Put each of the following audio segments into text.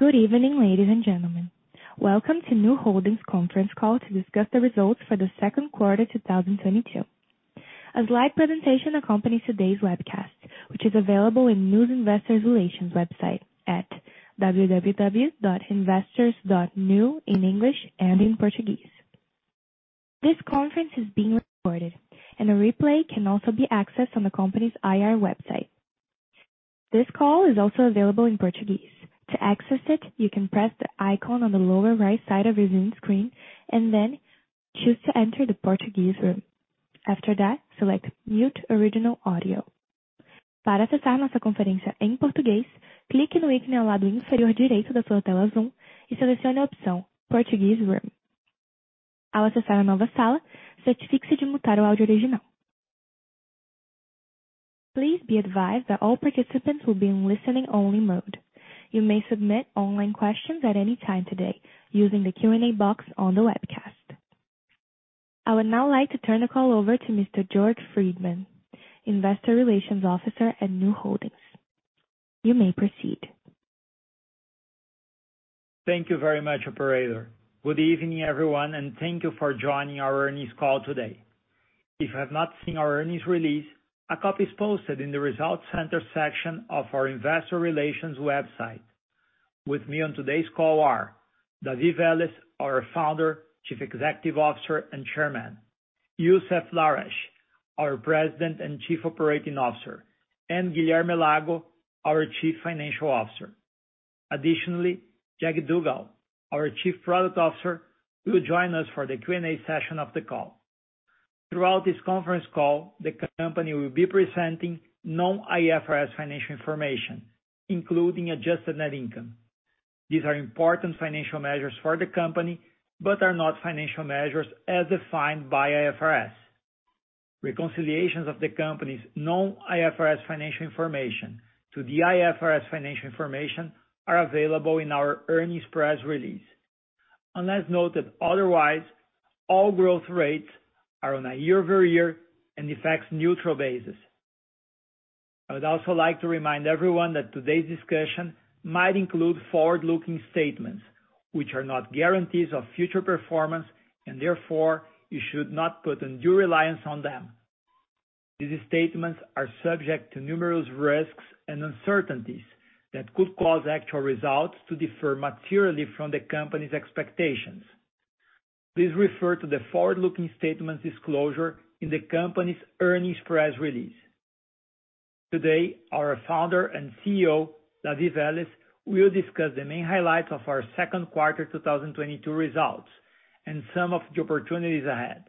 Good evening, ladies and gentlemen. Welcome to Nu Holdings conference call to discuss the results for the second quarter 2022. A slide presentation accompanies today's webcast, which is available in Nu's Investor Relations website at www.investors.nu in English and in Portuguese. This conference is being recorded, and a replay can also be accessed on the company's IR website. This call is also available in Portuguese. To access it, you can press the icon on the lower right side of your Zoom screen and then choose to enter the Portuguese room. After that, select Mute Original Audio. Please be advised that all participants will be in listening only mode. You may submit online questions at any time today using the Q&A box on the webcast. I would now like to turn the call over to Mr. Jörg Friedemann, Investor Relations Officer at Nu Holdings. You may proceed. Thank you very much, operator. Good evening, everyone, and thank you for joining our earnings call today. If you have not seen our earnings release, a copy is posted in the Results Center section of our Investor Relations website. With me on today's call are David Velez, our founder, Chief Executive Officer and Chairman; Youssef Lahrech, our President and Chief Operating Officer; and Guilherme Lago, our Chief Financial Officer. Additionally, Jag Duggal, our Chief Product Officer, will join us for the Q&A session of the call. Throughout this conference call, the company will be presenting non-IFRS financial information, including adjusted net income. These are important financial measures for the company, but are not financial measures as defined by IFRS. Reconciliations of the company's non-IFRS financial information to the IFRS financial information are available in our earnings press release. Unless noted otherwise, all growth rates are on a year-over-year and effects neutral basis. I would also like to remind everyone that today's discussion might include forward-looking statements, which are not guarantees of future performance, and therefore, you should not put undue reliance on them. These statements are subject to numerous risks and uncertainties that could cause actual results to differ materially from the company's expectations. Please refer to the forward-looking statements disclosure in the company's earnings press release. Today, our Founder and CEO, David Velez, will discuss the main highlights of our second quarter 2022 results and some of the opportunities ahead.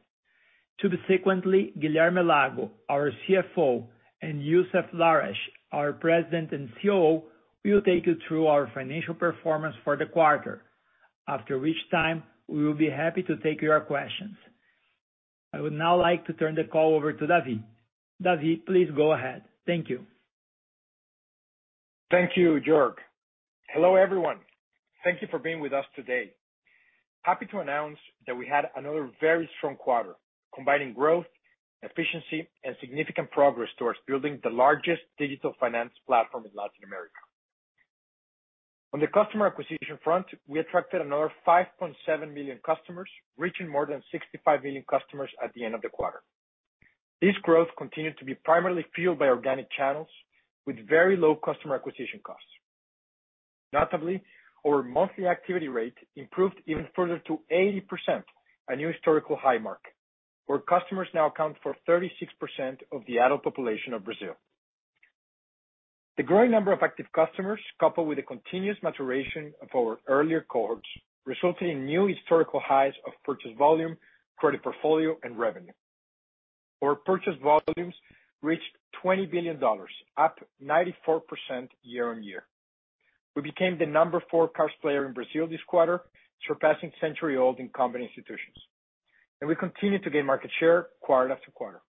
Subsequently, Guilherme Lago, our CFO, and Youssef Lahrech, our President and COO, will take you through our financial performance for the quarter, after which time we will be happy to take your questions. I would now like to turn the call over to David. David, please go ahead. Thank you. Thank you, Jörg. Hello, everyone. Thank you for being with us today. Happy to announce that we had another very strong quarter, combining growth, efficiency, and significant progress towards building the largest digital finance platform in Latin America. On the customer acquisition front, we attracted another 5.7 million customers, reaching more than 65 million customers at the end of the quarter. This growth continued to be primarily fueled by organic channels with very low customer acquisition costs. Notably, our monthly activity rate improved even further to 80%, a new historical high mark. Our customers now account for 36% of the adult population of Brazil. The growing number of active customers, coupled with the continuous maturation of our earlier cohorts, resulted in new historical highs of purchase volume, credit portfolio, and revenue. Our purchase volumes reached $20 billion, up 94% year-over-year. We became the number four cash player in Brazil this quarter, surpassing century-old incumbent institutions. We continue to gain market share quarter after quarter.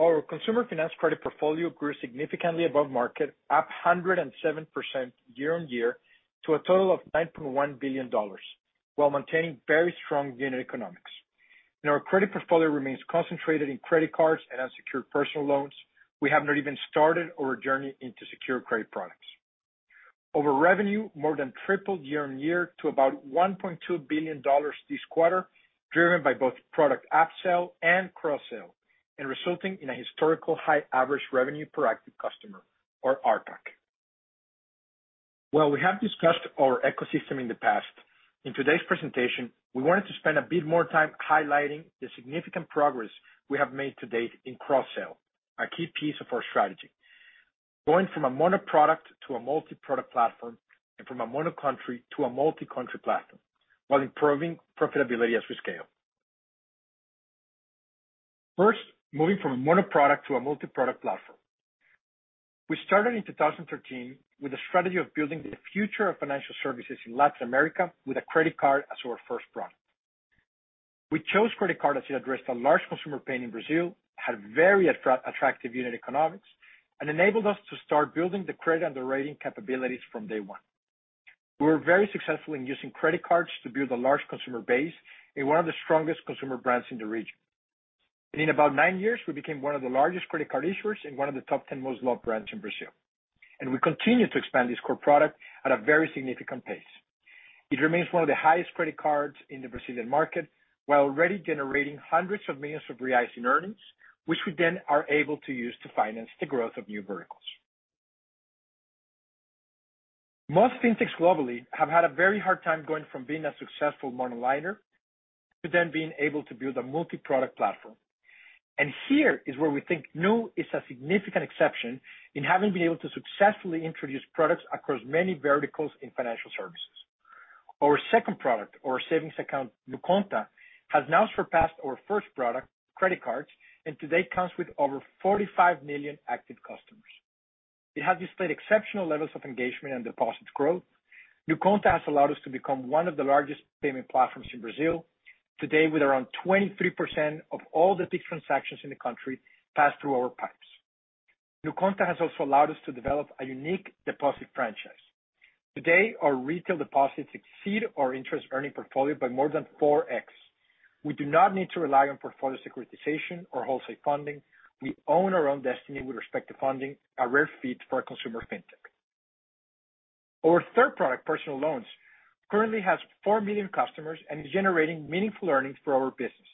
Our consumer finance credit portfolio grew significantly above market, up 107% year-on-year to a total of $9.1 billion, while maintaining very strong unit economics. Our credit portfolio remains concentrated in credit cards and unsecured personal loans. We have not even started our journey into secure credit products. Our revenue more than tripled year-on-year to about $1.2 billion this quarter, driven by both product upsell and cross-sale, and resulting in a historical high average revenue per active customer or RPAC. While we have discussed our ecosystem in the past, in today's presentation, we wanted to spend a bit more time highlighting the significant progress we have made to date in cross-sell, a key piece of our strategy. Going from a mono product to a multi-product platform and from a mono country to a multi-country platform while improving profitability as we scale. First, moving from a mono product to a multi-product platform. We started in 2013 with a strategy of building the future of financial services in Latin America with a credit card as our first product. We chose credit card as it addressed a large consumer pain in Brazil, had very attractive unit economics, and enabled us to start building the credit and the rating capabilities from day one. We were very successful in using credit cards to build a large consumer base and one of the strongest consumer brands in the region. In about nine years, we became one of the largest credit card issuers and one of the top 10 most loved brands in Brazil. We continue to expand this core product at a very significant pace. It remains one of the highest credit cards in the Brazilian market, while already generating hundreds of millions of BRL in earnings, which we then are able to use to finance the growth of new verticals. Most fintechs globally have had a very hard time going from being a successful monoliner to then being able to build a multiproduct platform. Here is where we think Nu is a significant exception in having been able to successfully introduce products across many verticals in financial services. Our second product, our savings account, NuConta, has now surpassed our first product, credit cards, and today counts with over 45 million active customers. It has displayed exceptional levels of engagement and deposit growth. NuConta has allowed us to become one of the largest payment platforms in Brazil, today with around 23% of all the Pix transactions in the country pass through our pipes. NuConta has also allowed us to develop a unique deposit franchise. Today, our retail deposits exceed our interest earning portfolio by more than 4x. We do not need to rely on portfolio securitization or wholesale funding. We own our own destiny with respect to funding a rare feat for a consumer fintech. Our third product, personal loans, currently has four million customers and is generating meaningful earnings for our business.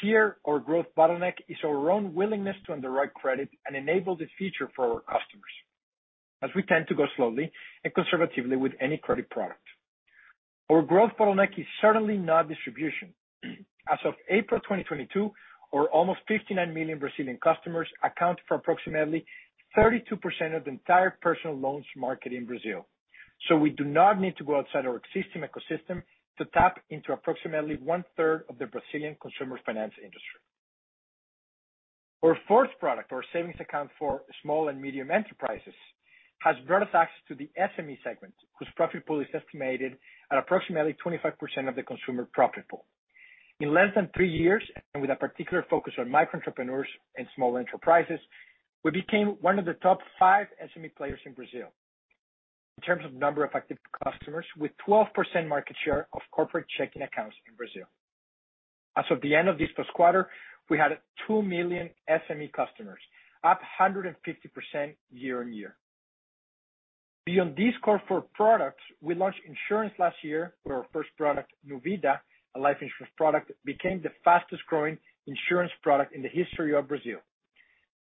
Here, our growth bottleneck is our own willingness to underwrite credit and enable this feature for our customers, as we tend to go slowly and conservatively with any credit product. Our growth bottleneck is certainly not distribution. As of April 2022, our almost 59 million Brazilian customers account for approximately 32% of the entire personal loans market in Brazil. We do not need to go outside our existing ecosystem to tap into approximately 1/3 of the Brazilian consumer finance industry. Our fourth product, our savings account for small and medium enterprises, has brought us access to the SME segment, whose profit pool is estimated at approximately 25% of the consumer profit pool. In less than three years, with a particular focus on micro entrepreneurs and small enterprises, we became one of the top five SME players in Brazil in terms of number of active customers with 12% market share of corporate checking accounts in Brazil. As of the end of this first quarter, we had two million SME customers, up 150% year-on-year. Beyond these core four products, we launched insurance last year where our first product, Nu Vida, a life insurance product, became the fastest-growing insurance product in the history of Brazil.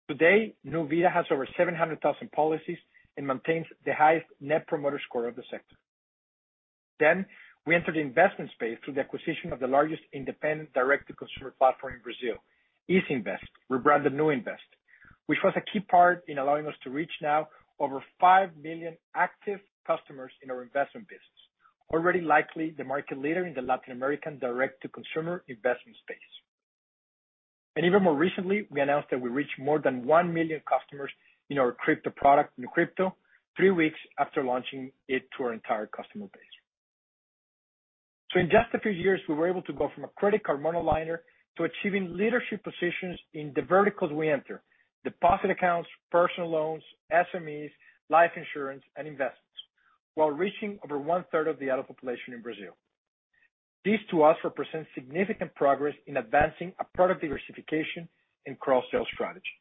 Today, Nu Vida has over 700,000 policies and maintains the highest net promoter score of the sector. We entered the investment space through the acquisition of the largest independent direct-to-consumer platform in Brazil, Easynvest, rebranded NuInvest, which was a key part in allowing us to reach now over five million active customers in our investment business. Already likely the market leader in the Latin American direct-to-consumer investment space. Even more recently, we announced that we reached more than one million customers in our crypto product NuCrypto three weeks after launching it to our entire customer base. In just a few years, we were able to go from a credit card monoliner to achieving leadership positions in the verticals we enter, deposit accounts, personal loans, SMEs, life insurance and investments, while reaching over 1/3 of the adult population in Brazil. This to us represents significant progress in advancing a product diversification and cross-sell strategy.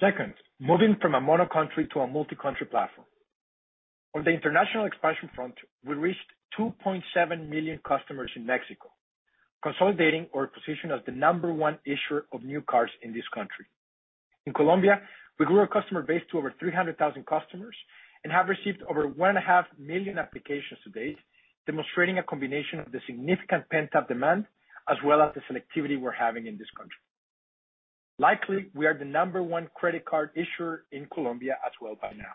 Second, moving from a monocountry to a multicountry platform. On the international expansion front, we reached 2.7 million customers in Mexico, consolidating our position as the number one issuer of Nu cards in this country. In Colombia, we grew our customer base to over 300,000 customers and have received over 1.5 million applications to date, demonstrating a combination of the significant pent-up demand as well as the selectivity we're having in this country. Likely, we are the number one credit card issuer in Colombia as well by now.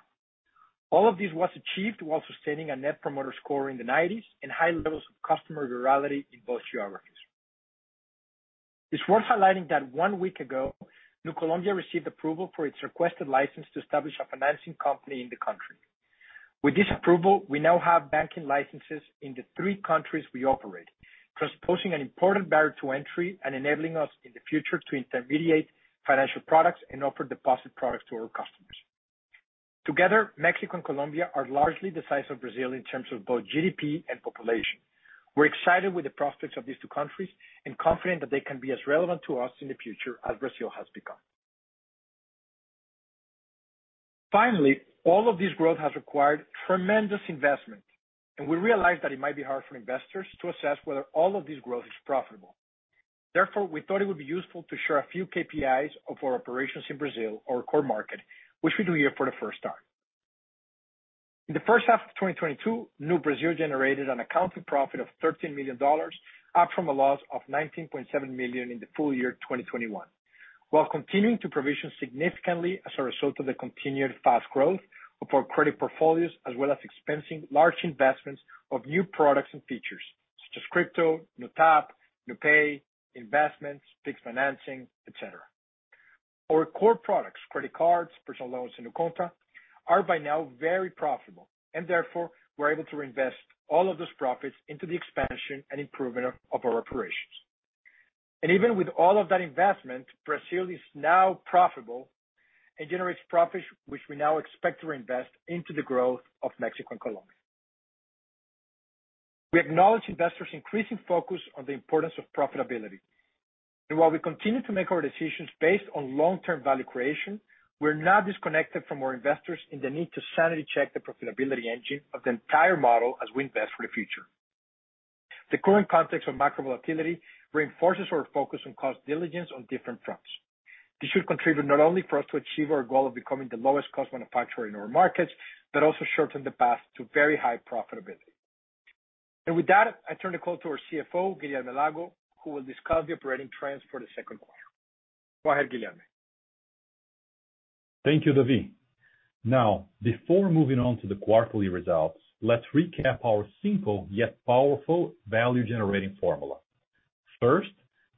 All of this was achieved while sustaining a Net Promoter Score in the nineties and high levels of customer virality in both geographies. It's worth highlighting that one week ago, Nu Colombia received approval for its requested license to establish a financing company in the country. With this approval, we now have banking licenses in the three countries we operate, transcending an important barrier to entry and enabling us in the future to intermediate financial products and offer deposit products to our customers. Together, Mexico and Colombia are largely the size of Brazil in terms of both GDP and population. We're excited with the prospects of these two countries and confident that they can be as relevant to us in the future as Brazil has become. Finally, all of this growth has required tremendous investment, and we realize that it might be hard for investors to assess whether all of this growth is profitable. Therefore, we thought it would be useful to share a few KPIs of our operations in Brazil, our core market, which we do here for the first time. In the first half of 2022, Nu Brazil generated an accounting profit of $13 million, up from a loss of $19.7 million in the full year 2021, while continuing to provision significantly as a result of the continued fast growth of our credit portfolios, as well as expensing large investments of new products and features such as NuCrypto, NuTap, NuPay, NuInvest, Pix financing, et cetera. Our core products, credit cards, personal loans, and NuConta, are by now very profitable and therefore we're able to invest all of those profits into the expansion and improvement of our operations. Even with all of that investment, Brazil is now profitable and generates profits, which we now expect to reinvest into the growth of Mexico and Colombia. We acknowledge investors' increasing focus on the importance of profitability. While we continue to make our decisions based on long-term value creation, we're not disconnected from our investors in the need to sanity check the profitability engine of the entire model as we invest for the future. The current context of macro volatility reinforces our focus on cost diligence on different fronts. This should contribute not only for us to achieve our goal of becoming the lowest cost manufacturer in our markets, but also shorten the path to very high profitability. With that, I turn the call to our CFO, Guilherme Lago, who will discuss the operating trends for the second quarter. Go ahead, Guilherme. Thank you, David. Now, before moving on to the quarterly results, let's recap our simple yet powerful value-generating formula. First,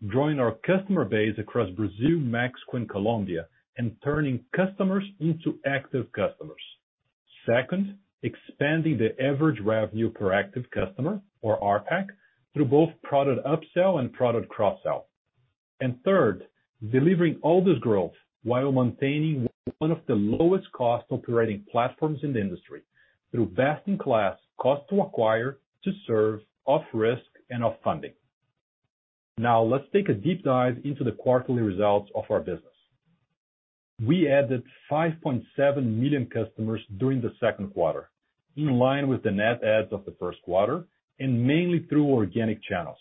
growing our customer base across Brazil, Mexico, and Colombia, and turning customers into active customers. Second, expanding the average revenue per active customer or RPAC through both product upsell and product cross-sell. Third, delivering all this growth while maintaining one of the lowest cost operating platforms in the industry through best in class cost to acquire, to serve, of risk and of funding. Now let's take a deep dive into the quarterly results of our business. We added 5.7 million customers during the second quarter, in line with the net adds of the first quarter and mainly through organic channels.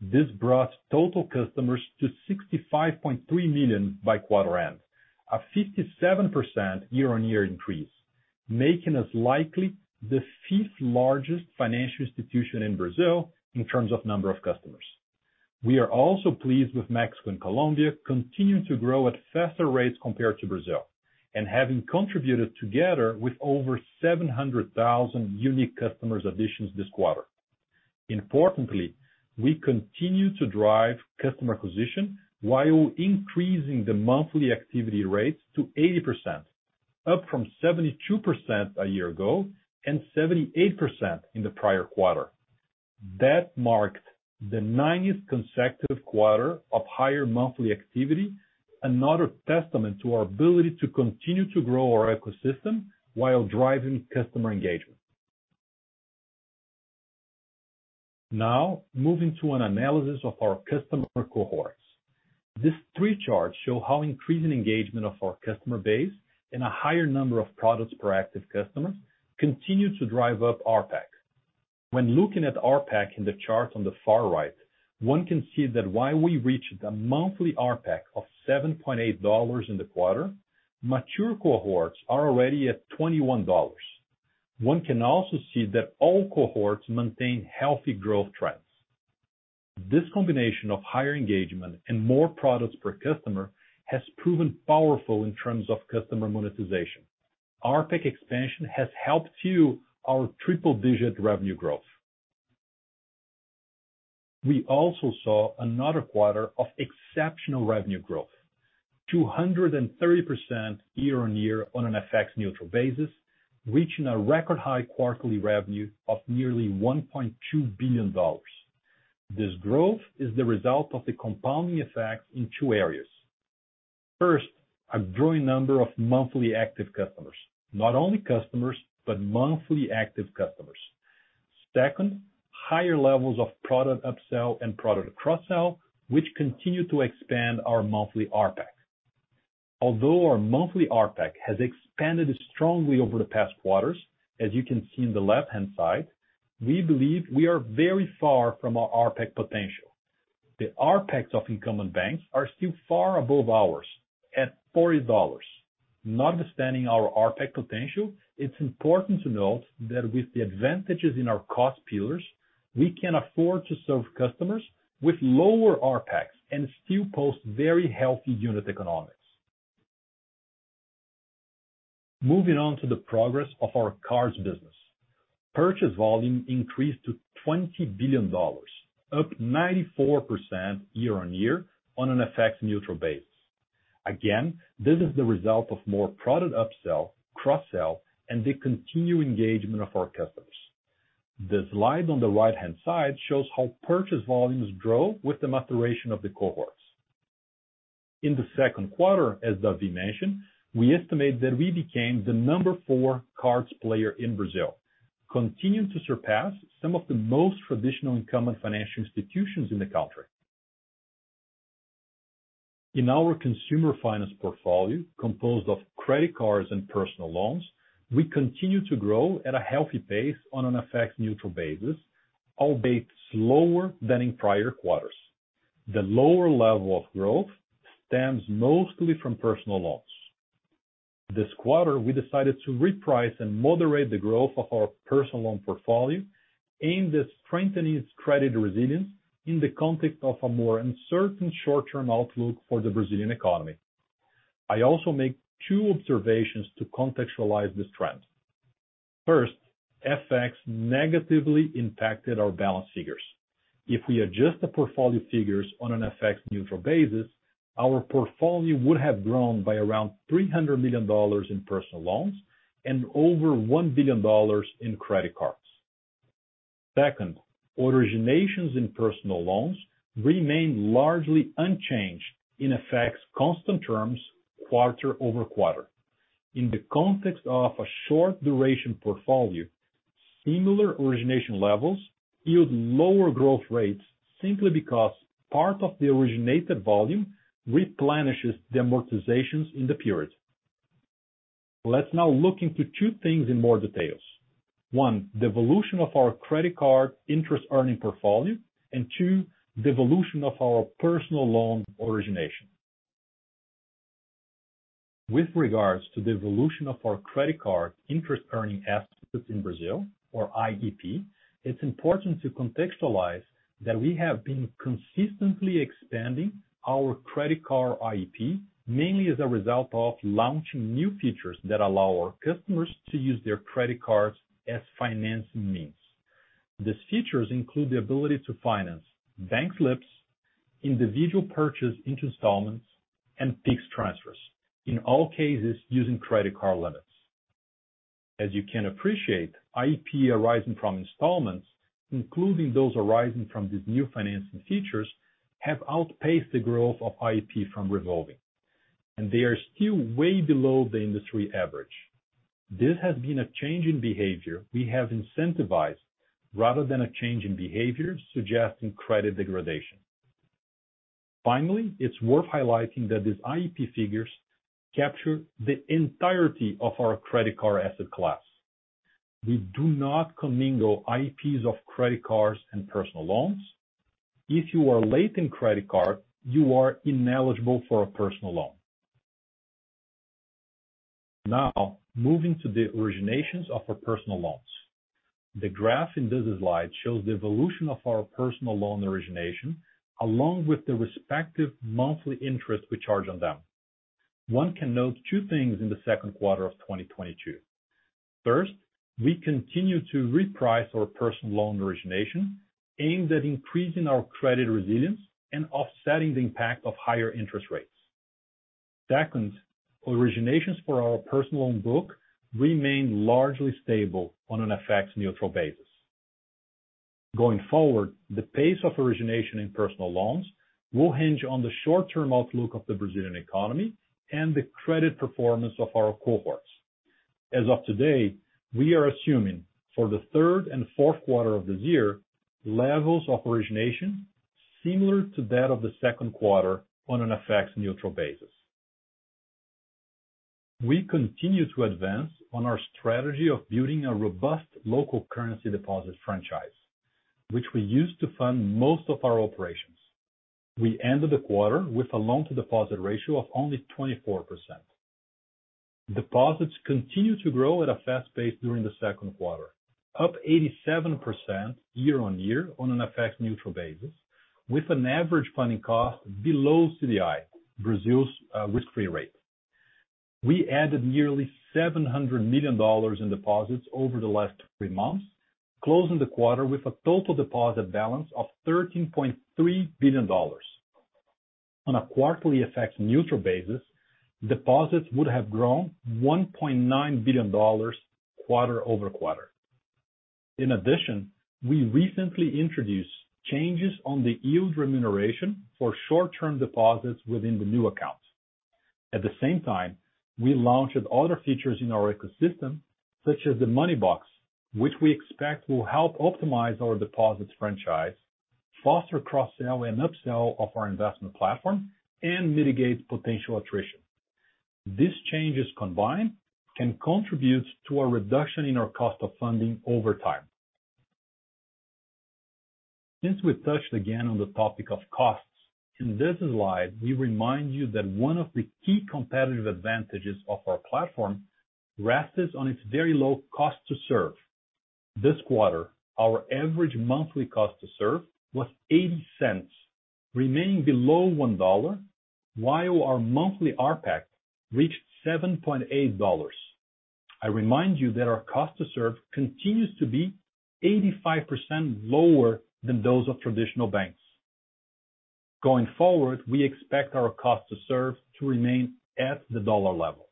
This brought total customers to 65.3 million by quarter end, a 57% year-on-year increase, making us likely the fifth largest financial institution in Brazil in terms of number of customers. We are also pleased with Mexico and Colombia continuing to grow at faster rates compared to Brazil and having contributed together with over 700,000 unique customers additions this quarter. Importantly, we continue to drive customer acquisition while increasing the monthly activity rates to 80%, up from 72% a year ago and 78% in the prior quarter. That marked the ninth consecutive quarter of higher monthly activity, another testament to our ability to continue to grow our ecosystem while driving customer engagement. Now, moving to an analysis of our customer cohorts. These three charts show how increasing engagement of our customer base and a higher number of products per active customers continue to drive up RPAC. When looking at RPAC in the chart on the far right, one can see that while we reached a monthly RPAC of $7.8 in the quarter, mature cohorts are already at $21. One can also see that all cohorts maintain healthy growth trends. This combination of higher engagement and more products per customer has proven powerful in terms of customer monetization. RPAC expansion has helped fuel our triple digit revenue growth. We also saw another quarter of exceptional revenue growth, 230% year-on-year on an FX neutral basis, reaching a record high quarterly revenue of nearly $1.2 billion. This growth is the result of the compounding effect in two areas. First, a growing number of monthly active customers, not only customers, but monthly active customers. Second, higher levels of product upsell and product cross-sell, which continue to expand our monthly RPAC. Although our monthly RPAC has expanded strongly over the past quarters, as you can see in the left-hand side, we believe we are very far from our RPAC potential. The RPACs of incumbent banks are still far above ours at $40. Notwithstanding our RPAC potential, it's important to note that with the advantages in our cost pillars, we can afford to serve customers with lower RPACs and still post very healthy unit economics. Moving on to the progress of our cards business. Purchase volume increased to $20 billion, up 94% year-on-year on an FX neutral base. Again, this is the result of more product upsell, cross-sell, and the continued engagement of our customers. The slide on the right-hand side shows how purchase volumes grow with the maturation of the cohorts. In the second quarter, as David mentioned, we estimate that we became the number four cards player in Brazil, continuing to surpass some of the most traditional incumbent financial institutions in the country. In our consumer finance portfolio, composed of credit cards and personal loans, we continue to grow at a healthy pace on an FX neutral basis, albeit slower than in prior quarters. The lower level of growth stems mostly from personal loans. This quarter, we decided to reprice and moderate the growth of our personal loan portfolio, aimed at strengthening its credit resilience in the context of a more uncertain short-term outlook for the Brazilian economy. I also make two observations to contextualize this trend. First, FX negatively impacted our balance figures. If we adjust the portfolio figures on an FX neutral basis, our portfolio would have grown by around $300 million in personal loans and over $1 billion in credit cards. Second, originations in personal loans remain largely unchanged in FX constant terms quarter-over-quarter. In the context of a short duration portfolio, similar origination levels yield lower growth rates simply because part of the originated volume replenishes the amortizations in the period. Let's now look into two things in more detail. One, the evolution of our credit card interest earning portfolio. Two, the evolution of our personal loan origination. With regards to the evolution of our credit card interest earning assets in Brazil or IEP, it's important to contextualize that we have been consistently expanding our credit card IEP, mainly as a result of launching new features that allow our customers to use their credit cards as financing means. These features include the ability to finance bank slips, individual purchase installments, and Pix transfers, in all cases using credit card limits. As you can appreciate, IEP arising from installments, including those arising from these new financing features, have outpaced the growth of IEP from revolving, and they are still way below the industry average. This has been a change in behavior we have incentivized rather than a change in behavior suggesting credit degradation. Finally, it's worth highlighting that these IEP figures capture the entirety of our credit card asset class. We do not commingle IEPs of credit cards and personal loans. If you are late in credit card, you are ineligible for a personal loan. Now, moving to the originations of our personal loans. The graph in this slide shows the evolution of our personal loan origination, along with the respective monthly interest we charge on them. One can note two things in the second quarter of 2022. First, we continue to reprice our personal loan origination aimed at increasing our credit resilience and offsetting the impact of higher interest rates. Second, originations for our personal loan book remain largely stable on an FX neutral basis. Going forward, the pace of origination in personal loans will hinge on the short-term outlook of the Brazilian economy and the credit performance of our cohorts. As of today, we are assuming for the third and fourth quarter of this year, levels of origination similar to that of the second quarter on an FX neutral basis. We continue to advance on our strategy of building a robust local currency deposit franchise, which we use to fund most of our operations. We ended the quarter with a loan to deposit ratio of only 24%. Deposits continued to grow at a fast pace during the second quarter, up 87% year-on-year on an FX neutral basis, with an average funding cost below CDI, Brazil's risk-free rate. We added nearly $700 million in deposits over the last three months, closing the quarter with a total deposit balance of $13.3 billion. On a quarterly FX neutral basis, deposits would have grown $1.9 billion quarter-over-quarter. In addition, we recently introduced changes on the yield remuneration for short-term deposits within the new accounts. At the same time, we launched other features in our ecosystem, such as the Money Boxes, which we expect will help optimize our deposits franchise, foster cross-sell and up-sell of our investment platform, and mitigate potential attrition. These changes combined can contribute to a reduction in our cost of funding over time. Since we've touched again on the topic of costs, in this slide, we remind you that one of the key competitive advantages of our platform rests on its very low cost to serve. This quarter, our average monthly cost to serve was $0.80, remaining below $1, while our monthly RPAC reached $7.8. I remind you that our cost to serve continues to be 85% lower than those of traditional banks. Going forward, we expect our cost to serve to remain at the dollar level.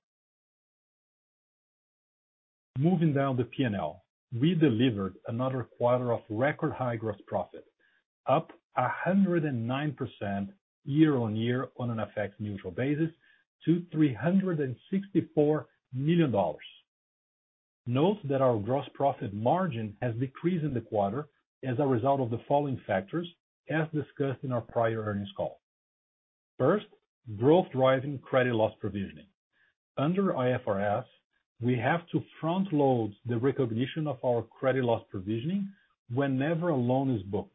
Moving down the P&L, we delivered another quarter of record high gross profit, up 109% year-on-year on an FX neutral basis to $364 million. Note that our gross profit margin has decreased in the quarter as a result of the following factors as discussed in our prior earnings call. First, growth driving credit loss provisioning. Under IFRS, we have to front load the recognition of our credit loss provisioning whenever a loan is booked.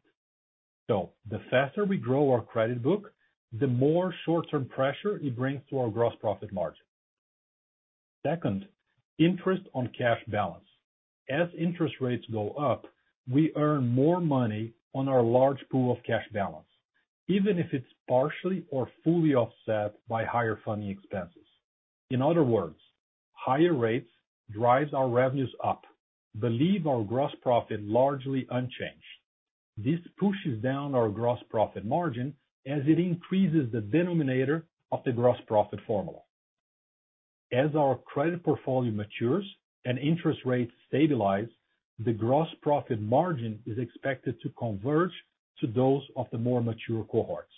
The faster we grow our credit book, the more short-term pressure it brings to our gross profit margin. Second, interest on cash balance. As interest rates go up, we earn more money on our large pool of cash balance, even if it's partially or fully offset by higher funding expenses. In other words, higher rates drives our revenues up but leave our gross profit largely unchanged. This pushes down our gross profit margin as it increases the denominator of the gross profit formula. As our credit portfolio matures and interest rates stabilize, the gross profit margin is expected to converge to those of the more mature cohorts.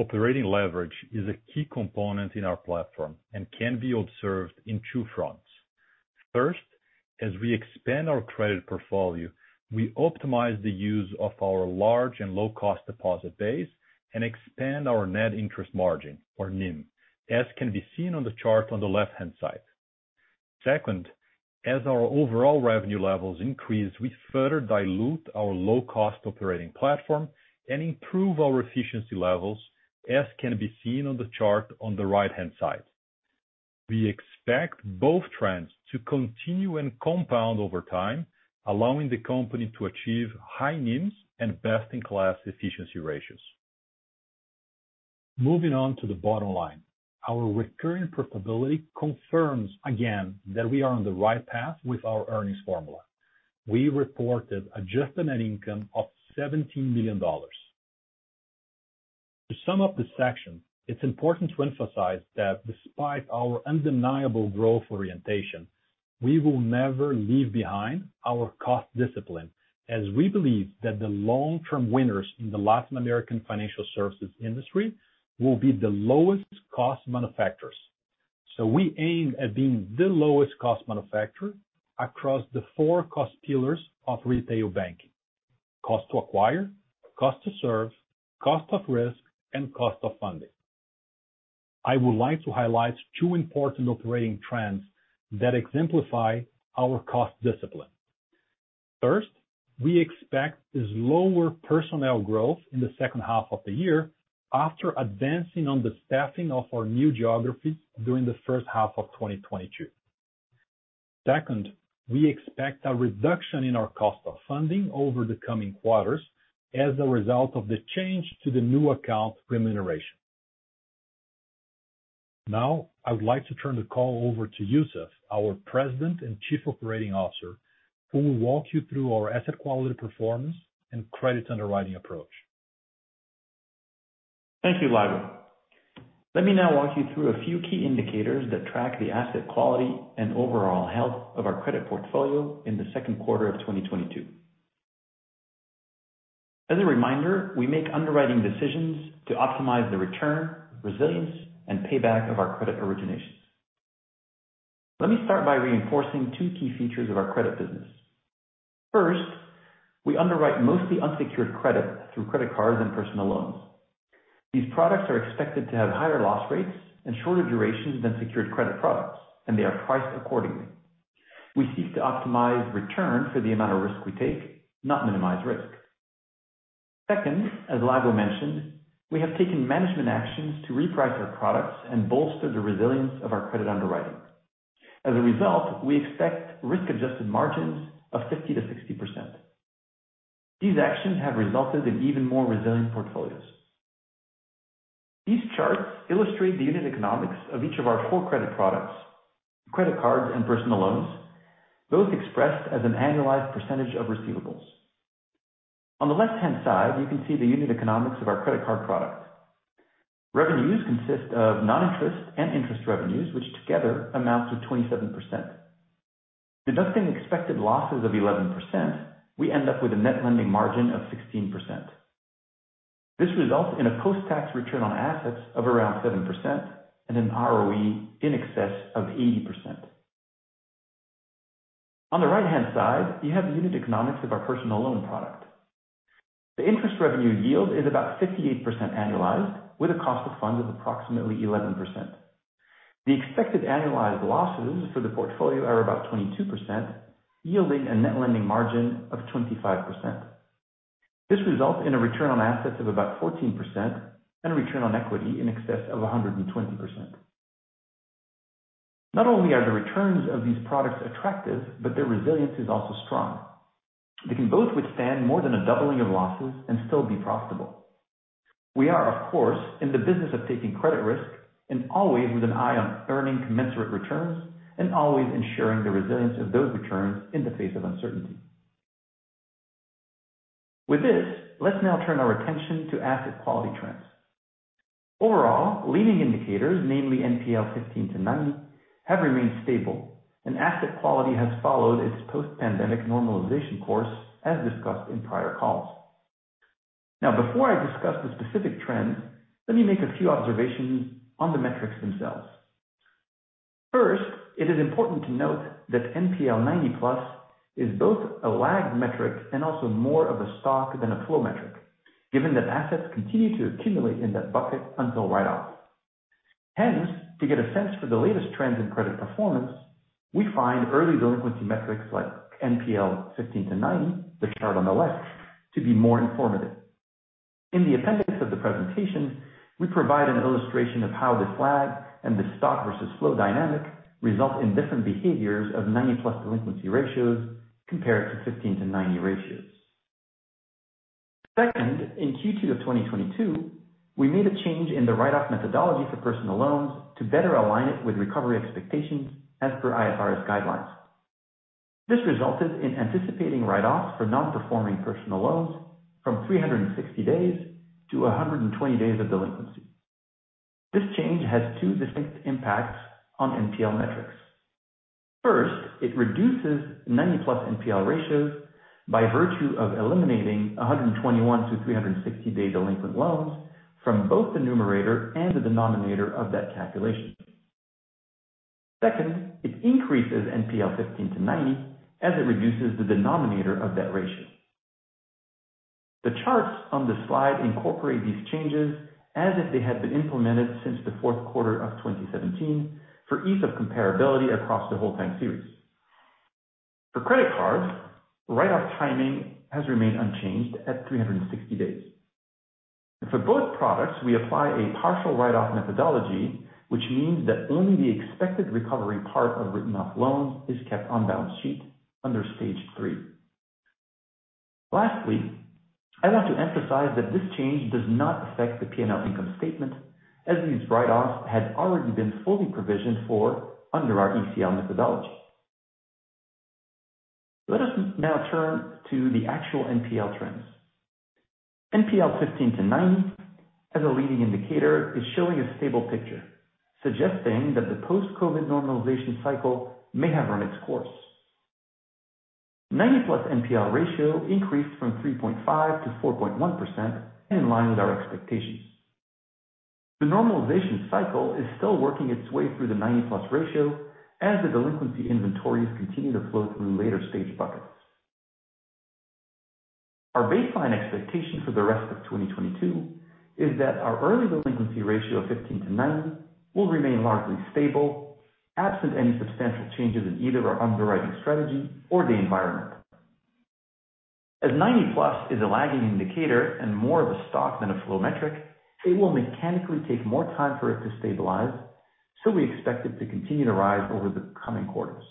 Operating leverage is a key component in our platform and can be observed in two fronts. First, as we expand our credit portfolio, we optimize the use of our large and low cost deposit base and expand our net interest margin, or NIM, as can be seen on the chart on the left-hand side. Second, as our overall revenue levels increase, we further dilute our low cost operating platform and improve our efficiency levels, as can be seen on the chart on the right-hand side. We expect both trends to continue and compound over time, allowing the company to achieve high NIMs and best in class efficiency ratios. Moving on to the bottom line. Our recurring profitability confirms again that we are on the right path with our earnings formula. We reported adjusted net income of $17 million. To sum up this section, it's important to emphasize that despite our undeniable growth orientation, we will never leave behind our cost discipline, as we believe that the long-term winners in the Latin American financial services industry will be the lowest cost manufacturers. We aim at being the lowest cost manufacturer across the four cost pillars of retail banking, cost to acquire, cost to serve, cost of risk, and cost of funding. I would like to highlight two important operating trends that exemplify our cost discipline. First, we expect slower personnel growth in the second half of the year after advancing on the staffing of our new geographies during the first half of 2022. Second, we expect a reduction in our cost of funding over the coming quarters as a result of the change to the new account remuneration. Now, I would like to turn the call over to Youssef, our President and Chief Operating Officer, who will walk you through our asset quality performance and credit underwriting approach. Thank you, Lago. Let me now walk you through a few key indicators that track the asset quality and overall health of our credit portfolio in the second quarter of 2022. As a reminder, we make underwriting decisions to optimize the return, resilience, and payback of our credit originations. Let me start by reinforcing two key features of our credit business. First, we underwrite mostly unsecured credit through credit cards and personal loans. These products are expected to have higher loss rates and shorter durations than secured credit products, and they are priced accordingly. We seek to optimize return for the amount of risk we take, not minimize risk. Second, as Lago mentioned, we have taken management actions to reprice our products and bolster the resilience of our credit underwriting. As a result, we expect risk adjusted margins of 50%-60%. These actions have resulted in even more resilient portfolios. These charts illustrate the unit economics of each of our four credit products, credit cards and personal loans, both expressed as an annualized percentage of receivables. On the left-hand side, you can see the unit economics of our credit card product. Revenues consist of non-interest and interest revenues, which together amounts to 27%. Deducting expected losses of 11%, we end up with a net lending margin of 16%. This results in a post-tax return on assets of around 7% and an ROE in excess of 80%. On the right-hand side, you have the unit economics of our personal loan product. The interest revenue yield is about 58% annualized, with a cost of funds of approximately 11%. The expected annualized losses for the portfolio are about 22%, yielding a net lending margin of 25%. This results in a return on assets of about 14% and a return on equity in excess of 120%. Not only are the returns of these products attractive, but their resilience is also strong. They can both withstand more than a doubling of losses and still be profitable. We are, of course, in the business of taking credit risk and always with an eye on earning commensurate returns and always ensuring the resilience of those returns in the face of uncertainty. With this, let's now turn our attention to asset quality trends. Overall, leading indicators, namely NPL 15/90, have remained stable and asset quality has followed its post-pandemic normalization course as discussed in prior calls. Now, before I discuss the specific trends, let me make a few observations on the metrics themselves. First, it is important to note that NPL 90+ is both a lagged metric and also more of a stock than a flow metric, given that assets continue to accumulate in that bucket until write off. Hence, to get a sense for the latest trends in credit performance, we find early delinquency metrics like NPL 15/90, the chart on the left, to be more informative. In the appendix of the presentation, we provide an illustration of how this lag and the stock versus flow dynamic result in different behaviors of 90+ delinquency ratios compared to 15/90 ratios. Second, in Q2 of 2022, we made a change in the write off methodology for personal loans to better align it with recovery expectations as per IFRS guidelines. This resulted in anticipating write-offs for non-performing personal loans from 360 days to 120 days of delinquency. This change has two distinct impacts on NPL metrics. First, it reduces 90+ NPL ratios by virtue of eliminating 121 to 360 day delinquent loans from both the numerator and the denominator of that calculation. Second, it increases NPL 15/90 as it reduces the denominator of that ratio. The charts on this slide incorporate these changes as if they had been implemented since the fourth quarter of 2017 for ease of comparability across the whole time series. For credit cards, write-off timing has remained unchanged at 360 days. For both products, we apply a partial write-off methodology, which means that only the expected recovery part of written off loans is kept on balance sheet under stage three. Lastly, I want to emphasize that this change does not affect the PNL income statement, as these write-offs had already been fully provisioned for under our ECL methodology. Let us now turn to the actual NPL trends. NPL 15/90 as a leading indicator is showing a stable picture, suggesting that the post-COVID normalization cycle may have run its course. 90+ NPL ratio increased from 3.5%-4.1% in line with our expectations. The normalization cycle is still working its way through the 90+ ratio as the delinquency inventories continue to flow through later stage buckets. Our baseline expectation for the rest of 2022 is that our early delinquency ratio of 15/90 will remain largely stable, absent any substantial changes in either our underwriting strategy or the environment. As 90+ is a lagging indicator and more of a stock than a flow metric, it will mechanically take more time for it to stabilize, so we expect it to continue to rise over the coming quarters.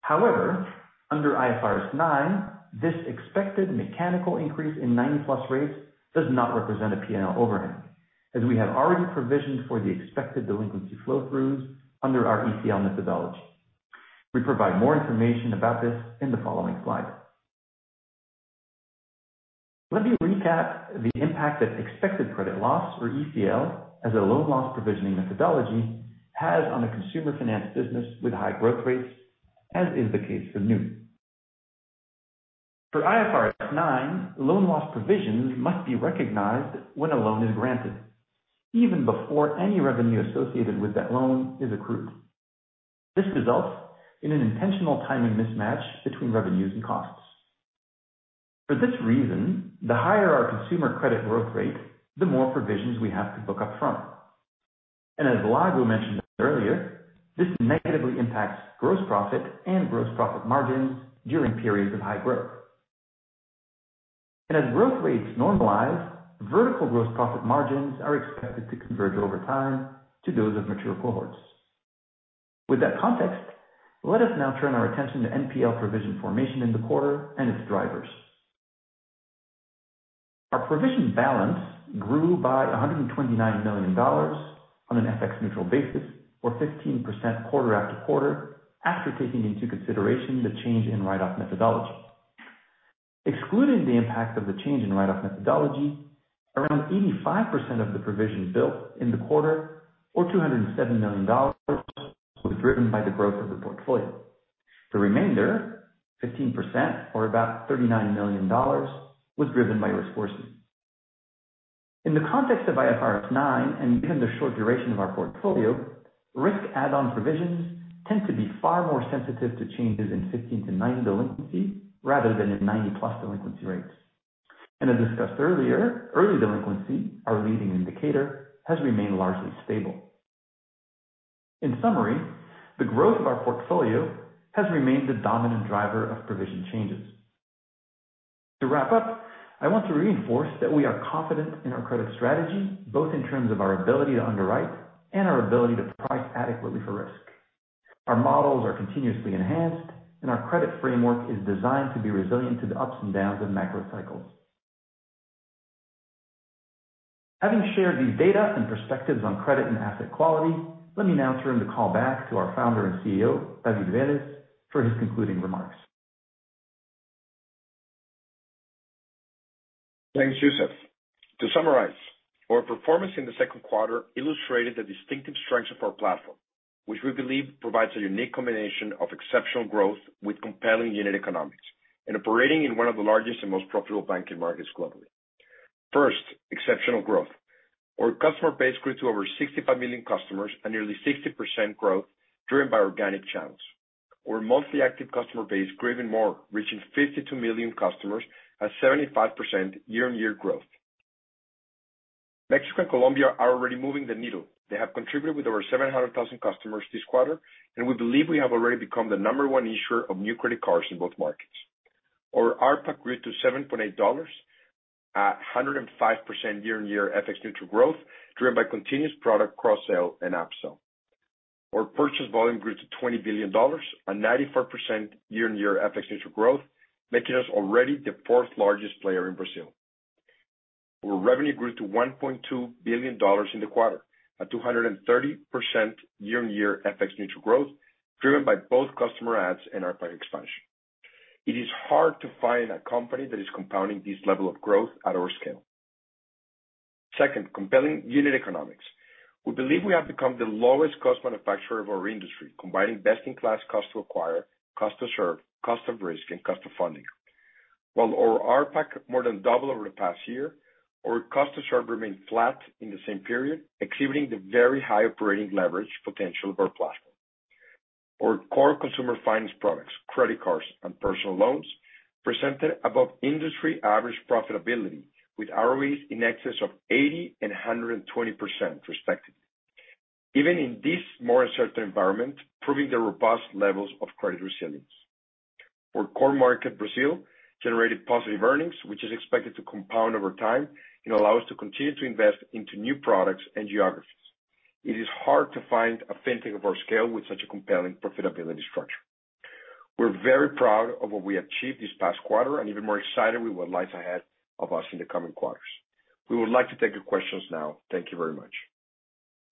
However, under IFRS 9, this expected mechanical increase in 90+ rates does not represent a P&L overhang, as we have already provisioned for the expected delinquency flow throughs under our ECL methodology. We provide more information about this in the following slide. Let me recap the impact that expected credit loss, or ECL, as a loan loss provisioning methodology has on the consumer finance business with high growth rates, as is the case for Nu. For IFRS 9, loan loss provisions must be recognized when a loan is granted, even before any revenue associated with that loan is accrued. This results in an intentional timing mismatch between revenues and costs. For this reason, the higher our consumer credit growth rate, the more provisions we have to book up front. As Lago mentioned earlier, this negatively impacts gross profit and gross profit margins during periods of high growth. As growth rates normalize, eventual gross profit margins are expected to converge over time to those of mature cohorts. With that context, let us now turn our attention to NPL provision formation in the quarter and its drivers. Our provision balance grew by $129 million on an FX neutral basis, or 15% quarter-over-quarter, after taking into consideration the change in write-off methodology. Excluding the impact of the change in write-off methodology, around 85% of the provision built in the quarter or $207 million was driven by the growth of the portfolio. The remainder, 15% or about $39 million was driven by risk worsening. In the context of IFRS 9 and given the short duration of our portfolio, risk add-on provisions tend to be far more sensitive to changes in 15/90 delinquency rather than in 90+ delinquency rates. As discussed earlier, early delinquency, our leading indicator, has remained largely stable. In summary, the growth of our portfolio has remained the dominant driver of provision changes. To wrap up, I want to reinforce that we are confident in our credit strategy, both in terms of our ability to underwrite and our ability to price adequately for risk. Our models are continuously enhanced and our credit framework is designed to be resilient to the ups and downs of macro cycles. Having shared these data and perspectives on credit and asset quality, let me now turn the call back to our founder and CEO, David Velez, for his concluding remarks. Thanks, Youssef. To summarize, our performance in the second quarter illustrated the distinctive strengths of our platform, which we believe provides a unique combination of exceptional growth with compelling unit economics and operating in one of the largest and most profitable banking markets globally. First, exceptional growth. Our customer base grew to over 65 million customers at nearly 60% growth driven by organic channels. Our monthly active customer base grew even more, reaching 52 million customers at 75% year-on-year growth. Mexico and Colombia are already moving the needle. They have contributed with over 700,000 customers this quarter, and we believe we have already become the number one issuer of new credit cards in both markets. Our ARPAC grew to $7.8 at 105% year-on-year FX neutral growth, driven by continuous product cross-sell and upsell. Our purchase volume grew to $20 billion at 94% year-on-year FX neutral growth, making us already the fourth largest player in Brazil. Our revenue grew to $1.2 billion in the quarter at 230% year-on-year FX neutral growth, driven by both customer adds and RPAC expansion. It is hard to find a company that is compounding this level of growth at our scale. Second, compelling unit economics. We believe we have become the lowest cost manufacturer of our industry, combining best in class cost to acquire, cost to serve, cost of risk, and cost of funding. While our RPAC more than doubled over the past year, our cost to serve remained flat in the same period, exhibiting the very high operating leverage potential of our platform. Our core consumer finance products, credit cards, and personal loans presented above industry average profitability with ROEs in excess of 80% and 120% respectively. Even in this more uncertain environment, proving the robust levels of credit resilience. Our core market, Brazil, generated positive earnings, which is expected to compound over time and allow us to continue to invest into new products and geographies. It is hard to find a fintech of our scale with such a compelling profitability structure. We're very proud of what we achieved this past quarter and even more excited with what lies ahead of us in the coming quarters. We would like to take your questions now. Thank you very much.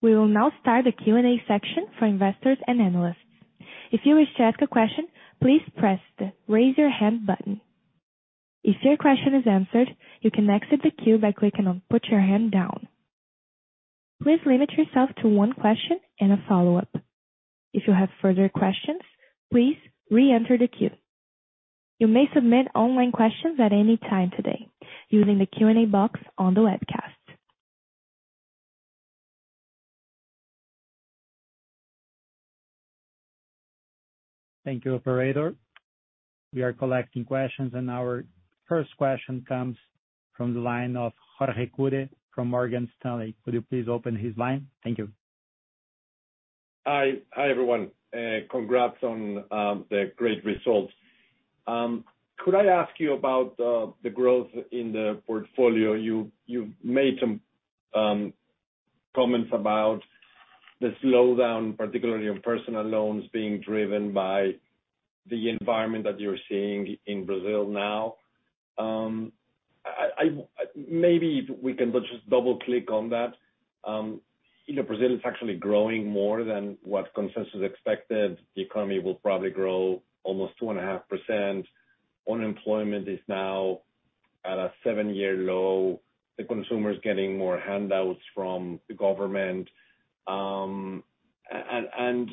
We will now start the Q&A section for investors and analysts. If you wish to ask a question, please press the Raise Your Hand button. If your question is answered, you can exit the queue by clicking on Put Your Hand Down. Please limit yourself to one question and a follow-up. If you have further questions, please re-enter the queue. You may submit online questions at any time today using the Q&A box on the webcast. Thank you, operator. We are collecting questions, and our first question comes from the line of Jorge Kuri from Morgan Stanley. Could you please open his line? Thank you. Hi. Hi, everyone. Congrats on the great results. Could I ask you about the growth in the portfolio? You made some comments about the slowdown, particularly on personal loans being driven by the environment that you're seeing in Brazil now. Maybe if we can just double-click on that. You know, Brazil is actually growing more than what consensus expected. The economy will probably grow almost 2.5%. Unemployment is now at a seven-year low. The consumer is getting more handouts from the government. And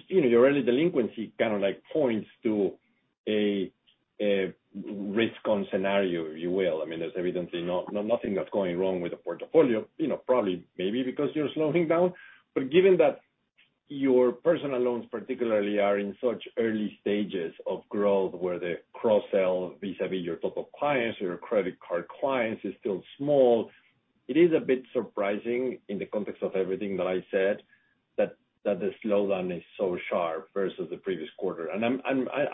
you know, your early delinquency kind of like points to a risk on scenario, if you will. I mean, there's evidently no nothing that's going wrong with the portfolio, you know, probably maybe because you're slowing down. Given that your personal loans particularly are in such early stages of growth where the cross-sell vis-a-vis your total clients, your credit card clients is still small, it is a bit surprising in the context of everything that I said that the slowdown is so sharp versus the previous quarter. I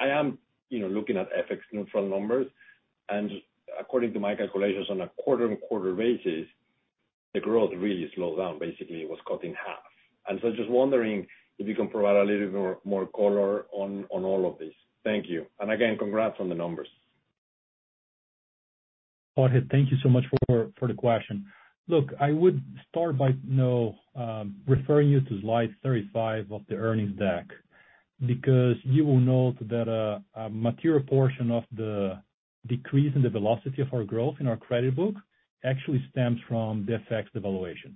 am, you know, looking at FX neutral numbers, and according to my calculations on a quarter-on-quarter basis, the growth really slowed down, basically it was cut in half. I'm just wondering if you can provide a little more color on all of this. Thank you. Again, congrats on the numbers. Jorge, thank you so much for the question. Look, I would start by now referring you to slide 35 of the earnings deck, because you will note that a material portion of the decrease in the velocity of our growth in our credit book actually stems from the FX devaluation.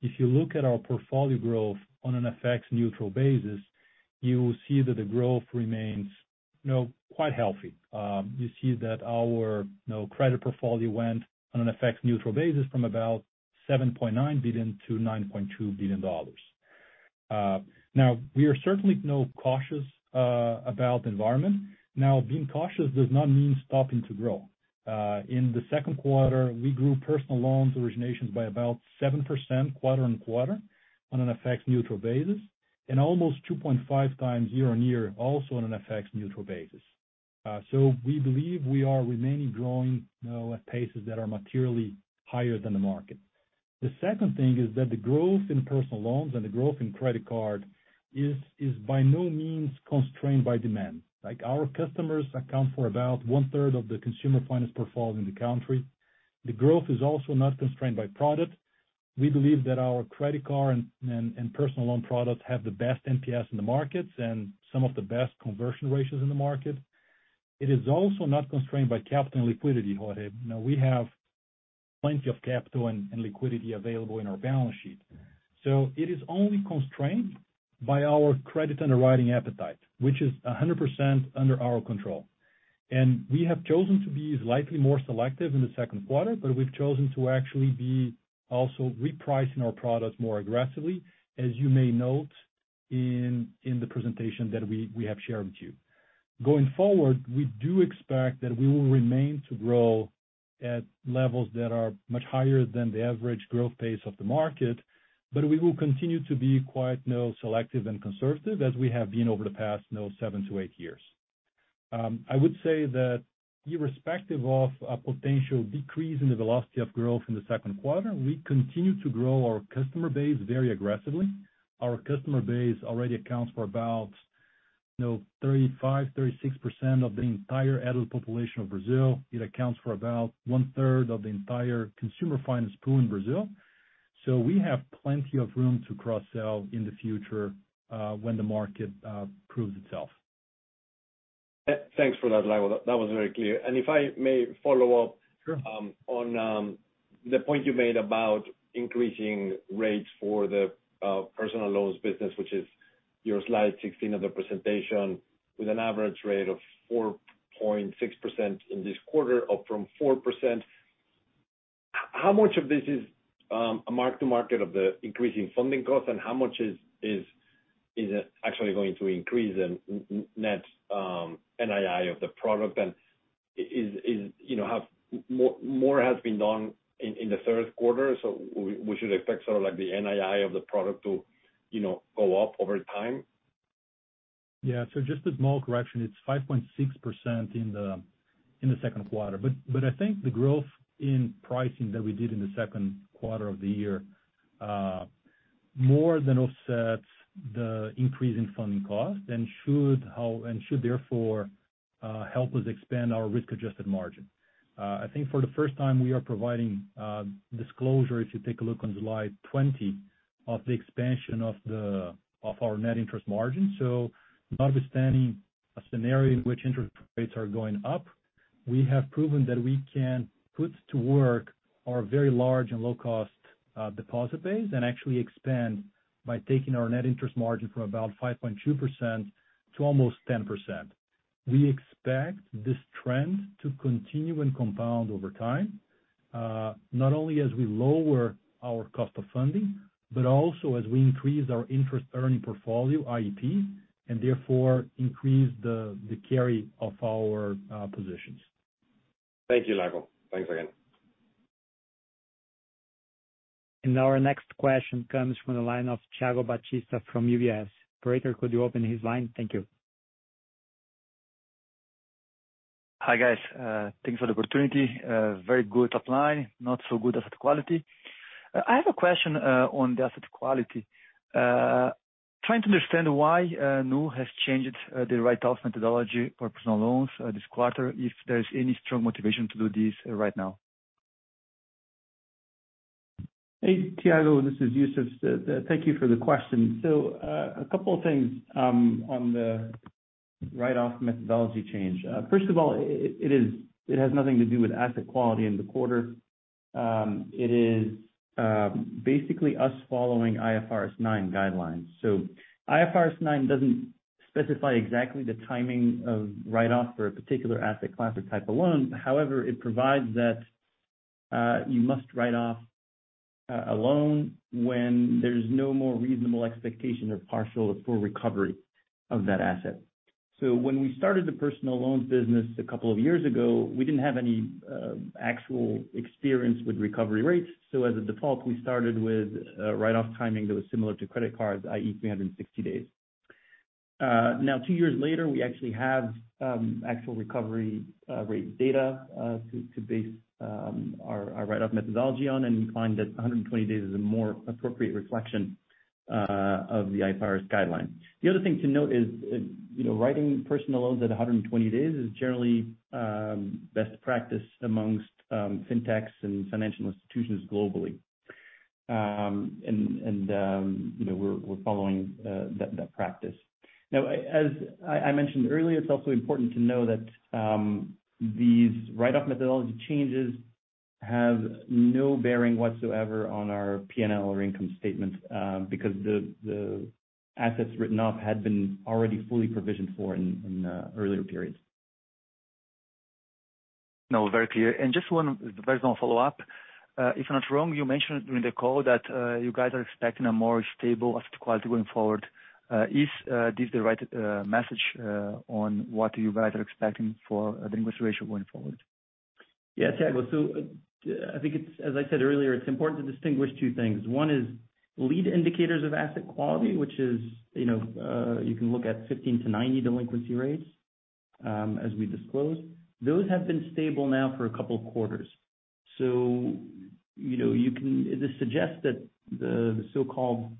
If you look at our portfolio growth on an FX neutral basis, you will see that the growth remains, you know, quite healthy. You see that our, you know, credit portfolio went on an FX neutral basis from about $7.9 billion to $9.2 billion. Now we are certainly, you know, cautious about the environment. Now, being cautious does not mean stopping to grow. In the second quarter, we grew personal loans originations by about 7% quarter-on-quarter on an FX neutral basis, and almost 2.5x year-on-year also on an FX neutral basis. We believe we are remaining growing, you know, at paces that are materially higher than the market. The second thing is that the growth in personal loans and the growth in credit card is by no means constrained by demand. Like, our customers account for about one-third of the consumer finance portfolio in the country. The growth is also not constrained by product. We believe that our credit card and personal loan products have the best NPS in the markets and some of the best conversion ratios in the market. It is also not constrained by capital and liquidity, Jorge. You know, we have plenty of capital and liquidity available in our balance sheet. It is only constrained by our credit underwriting appetite, which is 100% under our control. We have chosen to be slightly more selective in the second quarter, but we've chosen to actually be also repricing our products more aggressively, as you may note in the presentation that we have shared with you. Going forward, we do expect that we will remain to grow at levels that are much higher than the average growth pace of the market, but we will continue to be quite, you know, selective and conservative as we have been over the past, you know, seven to eight years. I would say that irrespective of a potential decrease in the velocity of growth in the second quarter, we continue to grow our customer base very aggressively. Our customer base already accounts for about 35-36% of the entire adult population of Brazil. You know, it accounts for about 1/3 of the entire consumer finance pool in Brazil. We have plenty of room to cross-sell in the future, when the market proves itself. Thanks for that, Lago. That was very clear. If I may follow up. Sure. On the point you made about increasing rates for the personal loans business, which is your slide 16 of the presentation, with an average rate of 4.6% in this quarter, up from 4%. How much of this is a mark to market of the increasing funding costs, and how much is actually going to increase in net NII of the product? And, you know, more has been done in the third quarter, so we should expect sort of like the NII of the product to, you know, go up over time? Yeah. Just a small correction. It's 5.6% in the second quarter. I think the growth in pricing that we did in the second quarter of the year more than offsets the increase in funding costs and should therefore help us expand our risk-adjusted margin. I think for the first time we are providing disclosure, if you take a look on slide 20, of the expansion of our net interest margin. Notwithstanding a scenario in which interest rates are going up, we have proven that we can put to work our very large and low cost deposit base and actually expand by taking our net interest margin from about 5.2% to almost 10%. We expect this trend to continue and compound over time, not only as we lower our cost of funding, but also as we increase our interest earning portfolio, IEP, and therefore increase the carry of our positions. Thank you, Lago. Thanks again. Our next question comes from the line of Thiago Batista from UBS. Operator, could you open his line? Thank you. Hi, guys. Thanks for the opportunity. Very good top line, not so good asset quality. I have a question on the asset quality. Trying to understand why Nu has changed the write-off methodology for personal loans this quarter, if there is any strong motivation to do this right now. Hey, Thiago, this is Youssef. Thank you for the question. A couple of things on the write-off methodology change. First of all, it has nothing to do with asset quality in the quarter. It is basically us following IFRS 9 guidelines. IFRS 9 doesn't specify exactly the timing of write-off for a particular asset class or type of loan. However, it provides that you must write off a loan when there's no more reasonable expectation of partial or full recovery of that asset. When we started the personal loans business a couple of years ago, we didn't have any actual experience with recovery rates. As a default, we started with a write-off timing that was similar to credit cards, i.e., 360 days. Now two years later, we actually have actual recovery rate data to base our write-off methodology on, and we find that 120 days is a more appropriate reflection of the IFRS guideline. The other thing to note is, you know, writing personal loans at 120 days is generally best practice among fintechs and financial institutions globally. We're following that practice. Now, as I mentioned earlier, it's also important to know that these write-off methodology changes have no bearing whatsoever on our P&L or income statement, because the assets written off had been already fully provisioned for in earlier periods. No, very clear. Just one very small follow-up. If I'm not wrong, you mentioned during the call that you guys are expecting a more stable asset quality going forward. Is this the right message on what you guys are expecting for the efficiency ratio going forward? Yeah, Thiago. I think it's. As I said earlier, it's important to distinguish two things. One is lead indicators of asset quality, which is, you know, you can look at 15/90 delinquency rates, as we disclose. Those have been stable now for a couple of quarters. You know, this suggests that the so-called,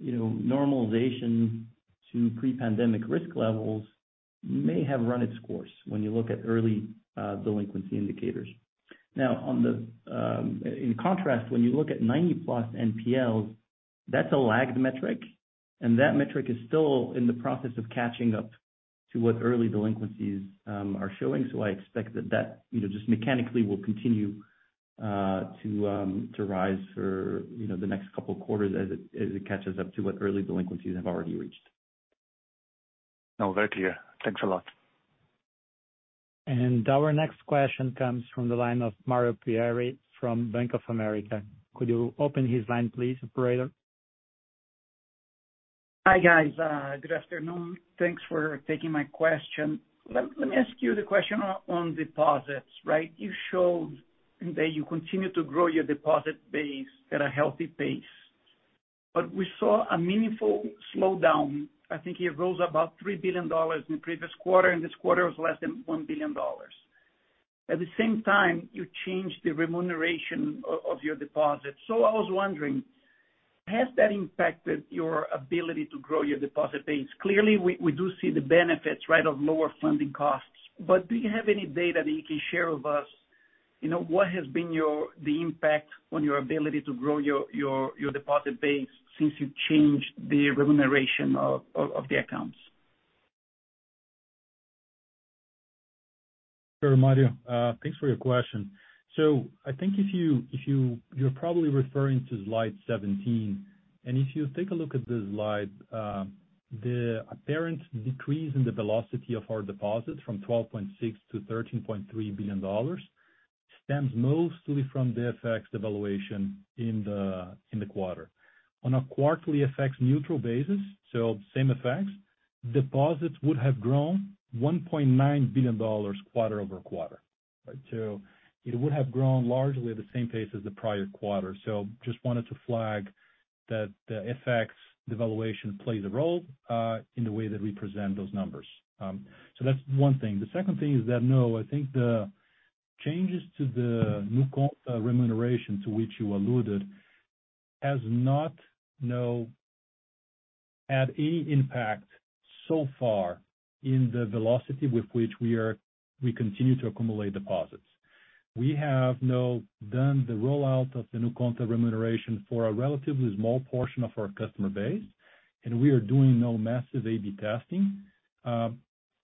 you know, normalization to pre-pandemic risk levels may have run its course when you look at early delinquency indicators. Now, in contrast, when you look at 90+ NPLs, that's a lagged metric, and that metric is still in the process of catching up to what early delinquencies are showing. I expect that, you know, just mechanically will continue to rise for, you know, the next couple quarters as it catches up to what early delinquencies have already reached. No, very clear. Thanks a lot. Our next question comes from the line of Mario Pierry from Bank of America. Could you open his line, please, operator? Hi, guys. Good afternoon. Thanks for taking my question. Let me ask you the question on deposits, right? You showed that you continue to grow your deposit base at a healthy pace, but we saw a meaningful slowdown. I think it grows about $3 billion in the previous quarter, and this quarter it was less than $1 billion. At the same time, you change the remuneration of your deposits. I was wondering, has that impacted your ability to grow your deposit base? Clearly, we do see the benefits, right, of lower funding costs. Do you have any data that you can share with us, you know, what has been the impact on your ability to grow your deposit base since you've changed the remuneration of the accounts? Sure, Mario. Thanks for your question. I think if you're probably referring to slide 17. If you take a look at the slide, the apparent decrease in the velocity of our deposits from $12.6 billion-$13.3 billion stems mostly from the FX devaluation in the quarter. On a quarterly FX neutral basis, same effects, deposits would have grown $1.9 billion quarter over quarter. It would have grown largely at the same pace as the prior quarter. Just wanted to flag that the FX devaluation plays a role in the way that we present those numbers. That's one thing. The second thing is that I think the changes to the NuConta remuneration to which you alluded has not had any impact so far in the velocity with which we continue to accumulate deposits. We have now done the rollout of the NuConta remuneration for a relatively small portion of our customer base, and we are doing now massive A/B testing.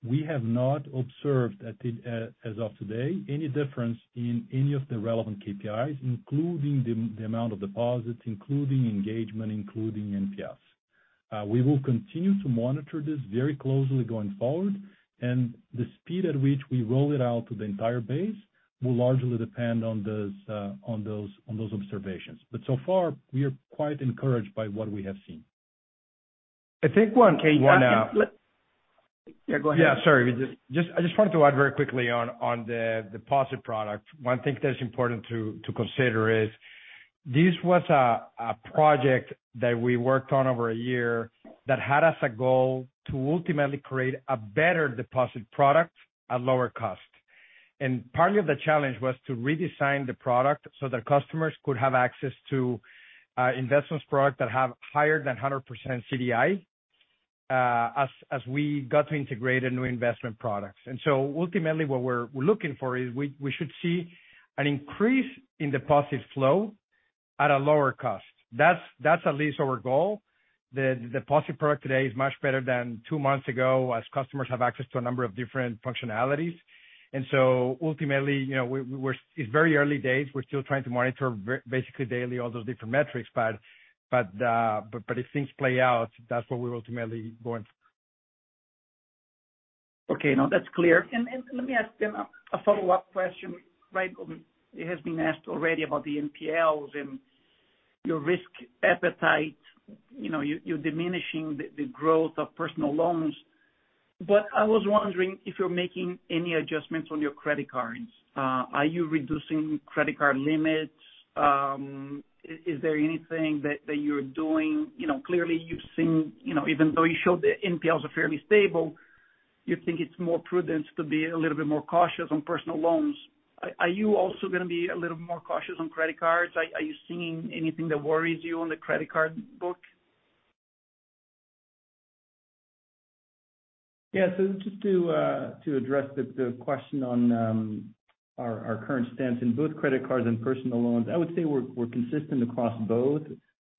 We have not observed, as of today, any difference in any of the relevant KPIs, including the amount of deposits, including engagement, including NPS. We will continue to monitor this very closely going forward, and the speed at which we roll it out to the entire base will largely depend on those observations. So far, we are quite encouraged by what we have seen. I think one. Okay. Yeah, go ahead. Yeah, sorry. Just, I just wanted to add very quickly on the deposit product. One thing that's important to consider is this was a project that we worked on over a year that had as a goal to ultimately create a better deposit product at lower cost. Part of the challenge was to redesign the product so that customers could have access to investments product that have higher than 100% CDI, as we got to integrate a new investment products. Ultimately, what we're looking for is we should see an increase in deposit flow at a lower cost. That's at least our goal. The deposit product today is much better than two months ago, as customers have access to a number of different functionalities. Ultimately, you know, we're, it's very early days. We're still trying to monitor basically daily all those different metrics. If things play out, that's what we're ultimately going for. Okay, now that's clear. Let me ask then a follow-up question, right? It has been asked already about the NPLs and your risk appetite. You know, you're diminishing the growth of personal loans. I was wondering if you're making any adjustments on your credit cards. Are you reducing credit card limits? Is there anything that you're doing? You know, clearly you've seen, you know, even though you showed the NPLs are fairly stable, you think it's more prudent to be a little bit more cautious on personal loans. Are you also going to be a little more cautious on credit cards? Are you seeing anything that worries you on the credit card book? Yeah. Just to address the question on our current stance in both credit cards and personal loans, I would say we're consistent across both.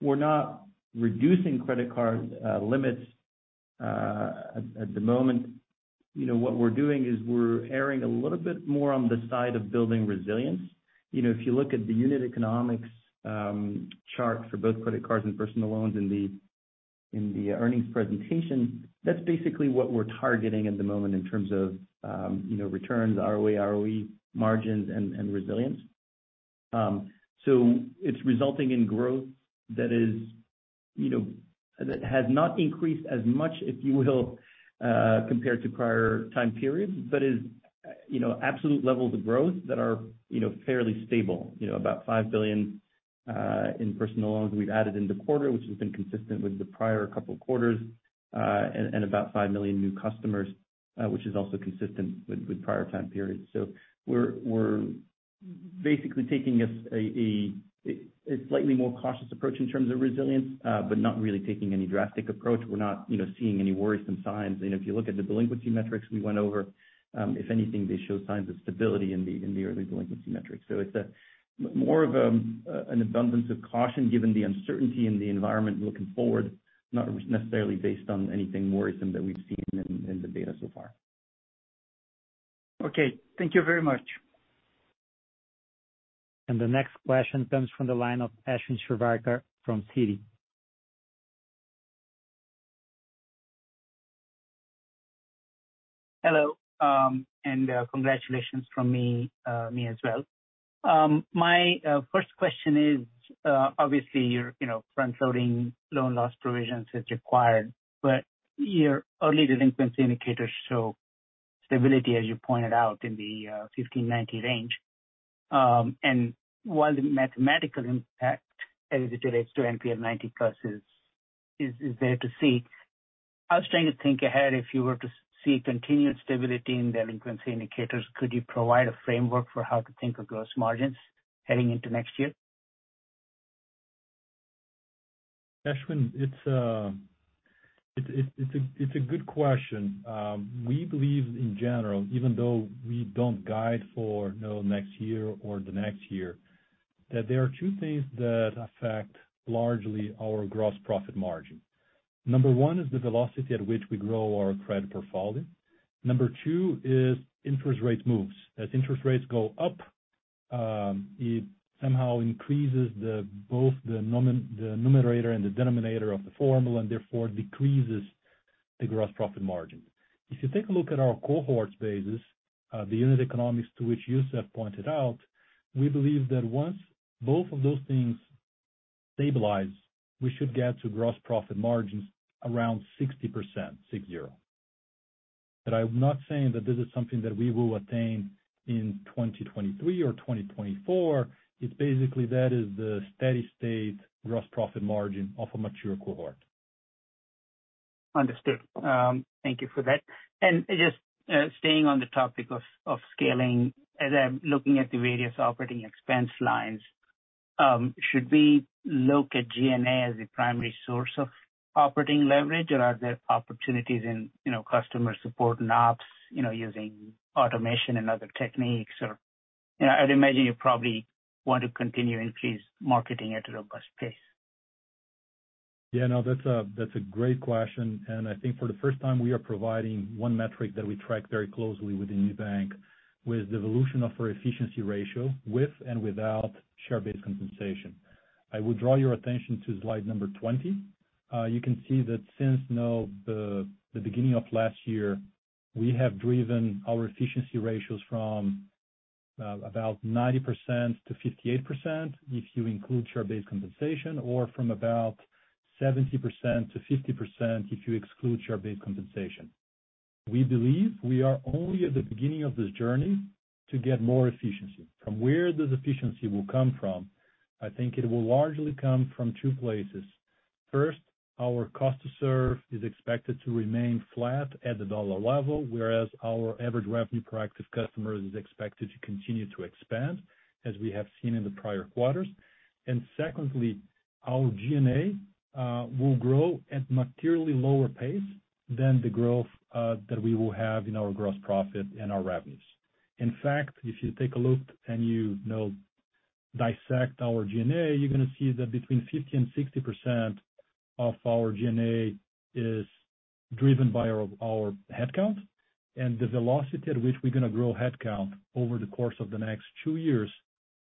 We're not reducing credit card limits at the moment. You know, what we're doing is we're erring a little bit more on the side of building resilience. You know, if you look at the unit economics chart for both credit cards and personal loans in the earnings presentation, that's basically what we're targeting at the moment in terms of, you know, returns, ROA, ROE, margins and resilience. It's resulting in growth that has not increased as much, if you will, compared to prior time periods, but is, you know, absolute levels of growth that are, you know, fairly stable. You know, about $5 billion in personal loans we've added in the quarter, which has been consistent with the prior couple of quarters, and about five million new customers, which is also consistent with prior time periods. We're basically taking a slightly more cautious approach in terms of resilience, but not really taking any drastic approach. We're not, you know, seeing any worrisome signs. You know, if you look at the delinquency metrics we went over, if anything, they show signs of stability in the early delinquency metrics. It's more of an abundance of caution given the uncertainty in the environment looking forward, not necessarily based on anything worrisome that we've seen in the data so far. Okay. Thank you very much. The next question comes from the line of Ashwin Shirvaikar from Citi. Hello, congratulations from me as well. My first question is, obviously you're, you know, front-loading loan loss provisions as required, but your early delinquency indicators show stability, as you pointed out, in the 15/90 range. While the mathematical impact as it relates to NPL 90+ is there to see. I was trying to think ahead if you were to see continued stability in delinquency indicators, could you provide a framework for how to think of gross margins heading into next year? Ashwin, it's a good question. We believe in general, even though we don't guide for, you know, next year or the next year, that there are two things that affect largely our gross profit margin. Number one is the velocity at which we grow our credit portfolio. Number two is interest rate moves. As interest rates go up, it somehow increases both the numerator and the denominator of the formula, and therefore decreases the gross profit margin. If you take a look at our cohorts basis, the unit economics to which Youssef pointed out, we believe that once both of those things stabilize, we should get to gross profit margins around 60% or so. I'm not saying that this is something that we will attain in 2023 or 2024. It's basically that is the steady-state gross profit margin of a mature cohort. Understood. Thank you for that. Just staying on the topic of scaling, as I'm looking at the various operating expense lines, should we look at G&A as the primary source of operating leverage or are there opportunities in, you know, customer support and ops, you know, using automation and other techniques? You know, I'd imagine you probably want to continue increase marketing at a robust pace. Yeah, no, that's a great question, and I think for the first time we are providing one metric that we track very closely with a new bank with the evolution of our efficiency ratio with and without share-based compensation. I will draw your attention to slide number 20. You can see that since, you know, the beginning of last year we have driven our efficiency ratios from about 90%-58% if you include share-based compensation or from about 70%-50% if you exclude share-based compensation. We believe we are only at the beginning of this journey to get more efficiency. From where this efficiency will come from, I think it will largely come from two places. First, our cost to serve is expected to remain flat at the dollar level, whereas our average revenue per active customer is expected to continue to expand, as we have seen in the prior quarters. Secondly, our G&A will grow at materially lower pace than the growth that we will have in our gross profit and our revenues. In fact, if you take a look and you know dissect our G&A, you're gonna see that between 50% and 60% of our G&A is driven by our headcount. The velocity at which we're gonna grow headcount over the course of the next two years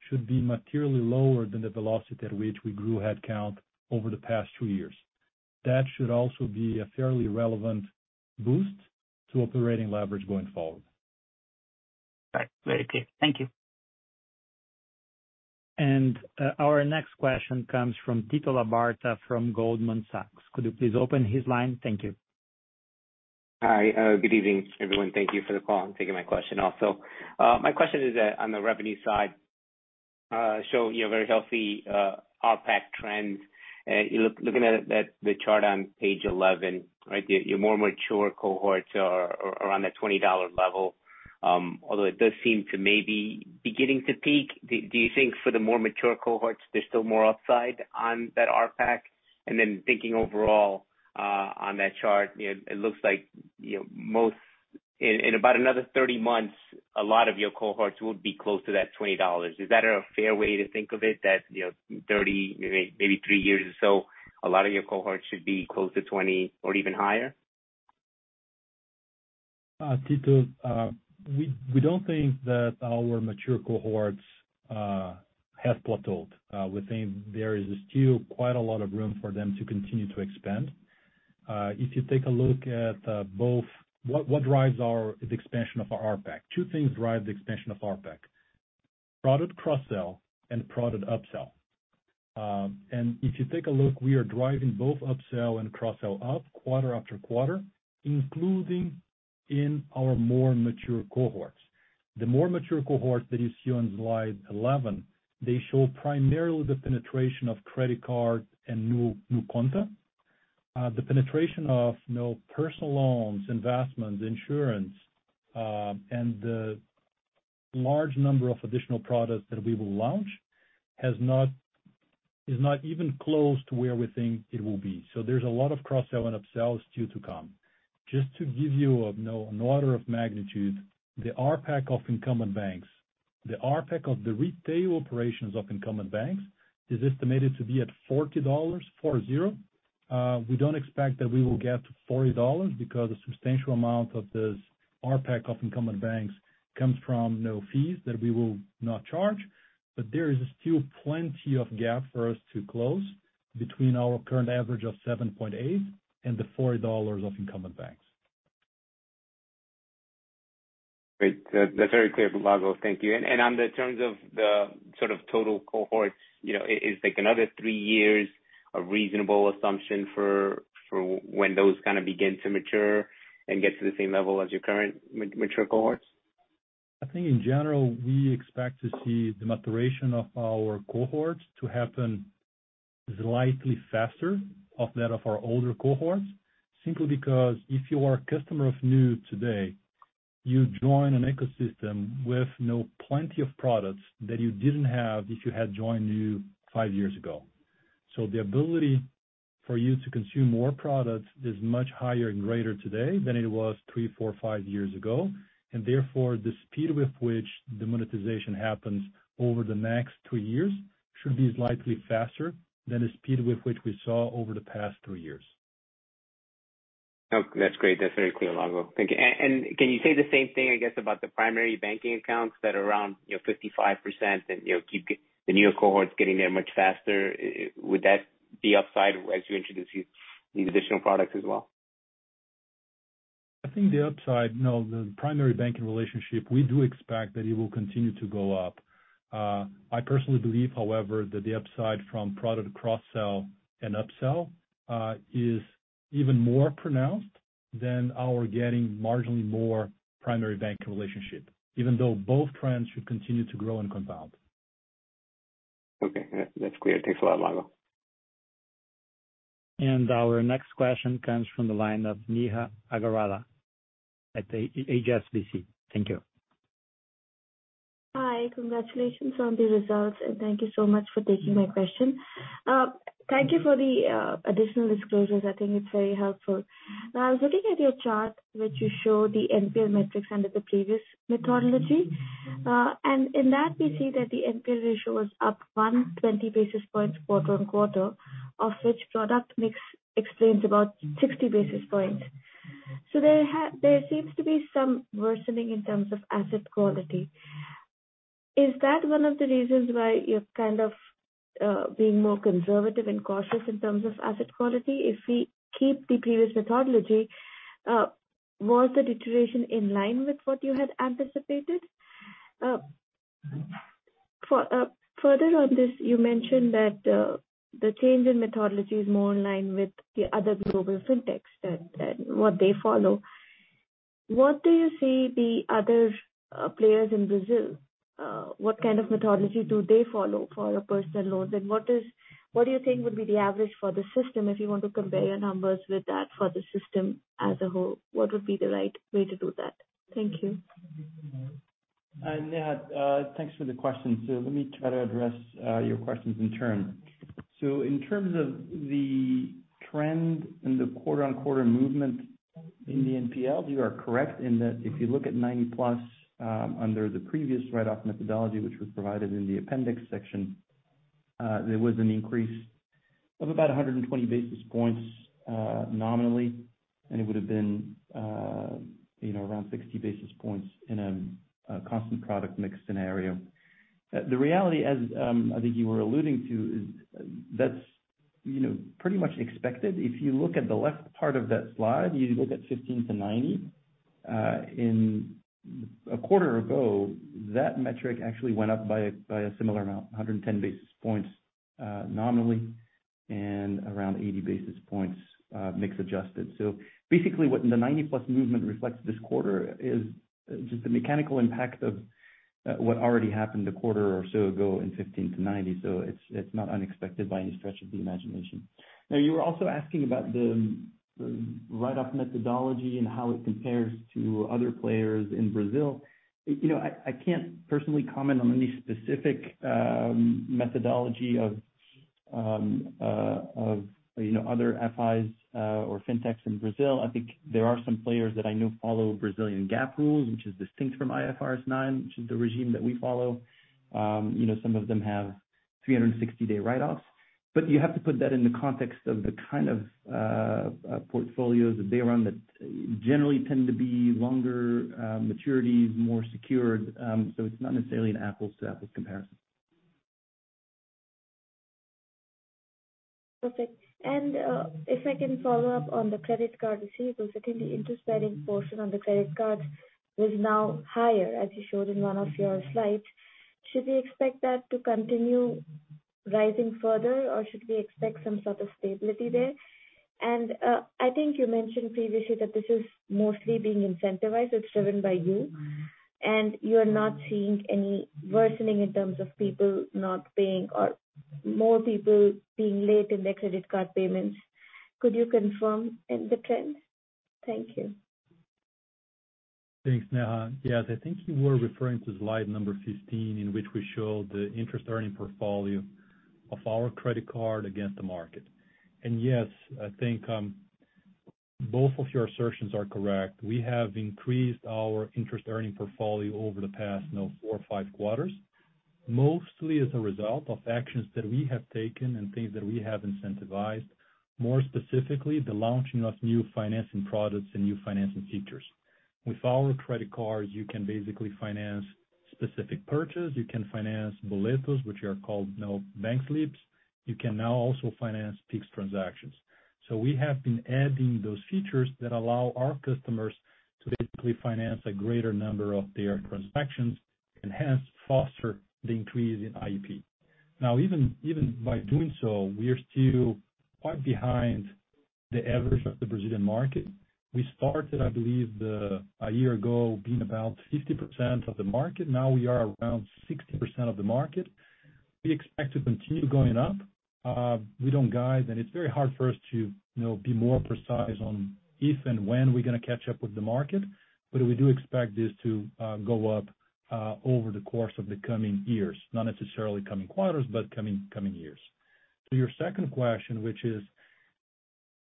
should be materially lower than the velocity at which we grew headcount over the past two years. That should also be a fairly relevant boost to operating leverage going forward. Right. Very clear. Thank you. Our next question comes from Tito Labarta from Goldman Sachs. Could you please open his line? Thank you. Hi, good evening, everyone. Thank you for the call and taking my question also. My question is on the revenue side. So you have very healthy RPAC trends. Looking at the chart on page 11, right? Your more mature cohorts are around that $20 level, although it does seem to maybe beginning to peak. Do you think for the more mature cohorts there's still more upside on that RPAC? And then thinking overall, on that chart, you know, it looks like, you know, in about another 30 months, a lot of your cohorts will be close to that $20. Is that a fair way to think of it? That, you know, 30, maybe three years or so, a lot of your cohorts should be close to 20 or even higher? Tito, we don't think that our mature cohorts have plateaued. We think there is still quite a lot of room for them to continue to expand. If you take a look at both what drives the expansion of our RPAC. Two things drive the expansion of RPAC, product cross-sell and product upsell. If you take a look, we are driving both upsell and cross-sell up quarter after quarter, including in our more mature cohorts. The more mature cohorts that you see on slide 11, they show primarily the penetration of credit card and NuConta. The penetration of personal loans, investments, insurance, and the large number of additional products that we will launch is not even close to where we think it will be. There's a lot of cross-sell and upsells due to come. Just to give you a, you know, an order of magnitude, the RPAC of incumbent banks, the RPAC of the retail operations of incumbent banks is estimated to be at $40, four zero. We don't expect that we will get to $40 because a substantial amount of this RPAC of incumbent banks comes from, you know, fees that we will not charge. There is still plenty of gap for us to close between our current average of 7.8 and the $40 of incumbent banks. Great. That's very clear, Lago. Thank you. On the terms of sort of total cohorts, you know, is like another three years a reasonable assumption for when those kind of begin to mature and get to the same level as your current mature cohorts? I think in general, we expect to see the maturation of our cohorts to happen slightly faster than that of our older cohorts. Simply because if you are a customer of Nu today, you join an ecosystem with, you know, plenty of products that you didn't have if you had joined Nu five years ago. The ability for you to consume more products is much higher and greater today than it was three, four, five years ago. Therefore, the speed with which the monetization happens over the next two years should be slightly faster than the speed with which we saw over the past two years. Okay, that's great. That's very clear, Lago. Thank you. And can you say the same thing, I guess, about the primary banking accounts that are around, you know, 55% and, you know, keep the newer cohorts getting there much faster? Would that be upside as you introduce these additional products as well? The primary banking relationship, we do expect that it will continue to go up. I personally believe, however, that the upside from product cross-sell and upsell is even more pronounced than our getting marginally more primary banking relationship, even though both trends should continue to grow and compound. Okay. That, that's clear. Thanks a lot, Lago. Our next question comes from the line of Neha Agarwala at HSBC. Thank you. Hi. Congratulations on the results, and thank you so much for taking my question. Thank you for the additional disclosures. I think it's very helpful. Now, I was looking at your chart which you show the NPL metrics under the previous methodology. In that we see that the NPL ratio was up 120 basis points quarter-over-quarter, of which product mix explains about 60 basis points. There seems to be some worsening in terms of asset quality. Is that one of the reasons why you're kind of being more conservative and cautious in terms of asset quality? If we keep the previous methodology, was the deterioration in line with what you had anticipated? Further on this, you mentioned that the change in methodology is more in line with the other global fintechs than what they follow. What do you see the other players in Brazil, what kind of methodology do they follow for personal loans? What do you think would be the average for the system if you want to compare your numbers with that for the system as a whole? What would be the right way to do that? Thank you. Neha, thanks for the question. Let me try to address your questions in turn. In terms of the trend in the quarter-on-quarter movement in the NPLs, you are correct in that if you look at 90+ under the previous write-off methodology which was provided in the appendix section, there was an increase of about 100 basis points nominally, and it would have been, you know, around 60 basis points in a constant product mix scenario. The reality as I think you were alluding to is that's, you know, pretty much expected. If you look at the left part of that slide, you look at 15/90 in a quarter ago, that metric actually went up by a similar amount, 110 basis points nominally and around 80 basis points mix adjusted. Basically what the 90+ movement reflects this quarter is just the mechanical impact of what already happened a quarter or so ago in 15/90. It's not unexpected by any stretch of the imagination. Now, you were also asking about the write-off methodology and how it compares to other players in Brazil. You know, I can't personally comment on any specific methodology of other FIs or FinTechs in Brazil. I think there are some players that I know follow Brazilian GAAP rules, which is distinct from IFRS 9, which is the regime that we follow. You know, some of them have 360-day write-offs. You have to put that in the context of the kind of portfolios that they run that generally tend to be longer maturities, more secured. So it's not necessarily an apples to apples comparison. Perfect. If I can follow up on the credit card receivables. I think the interest spending portion on the credit card is now higher, as you showed in one of your slides. Should we expect that to continue rising further, or should we expect some sort of stability there? I think you mentioned previously that this is mostly being incentivized. It's driven by you, and you're not seeing any worsening in terms of people not paying or more people being late in their credit card payments. Could you confirm the trend? Thank you. Thanks, Neha. Yes. I think you were referring to slide number 15, in which we showed the interest earning portfolio of our credit card against the market. Yes, I think both of your assertions are correct. We have increased our interest earning portfolio over the past, you know, four or five quarters, mostly as a result of actions that we have taken and things that we have incentivized, more specifically the launching of new financing products and new financing features. With our credit cards, you can basically finance specific purchase, you can finance Boleto, which are called, you know, bank slips. You can now also finance Pix transactions. We have been adding those features that allow our customers to basically finance a greater number of their transactions and hence foster the increase in IEP. Now, even by doing so, we are still quite behind the average of the Brazilian market. We started, I believe, a year ago, being about 60% of the market. Now we are around 60% of the market. We expect to continue going up. We don't guide, and it's very hard for us to, you know, be more precise on if and when we're gonna catch up with the market. We do expect this to go up over the course of the coming years, not necessarily coming quarters, but coming years. To your second question, which is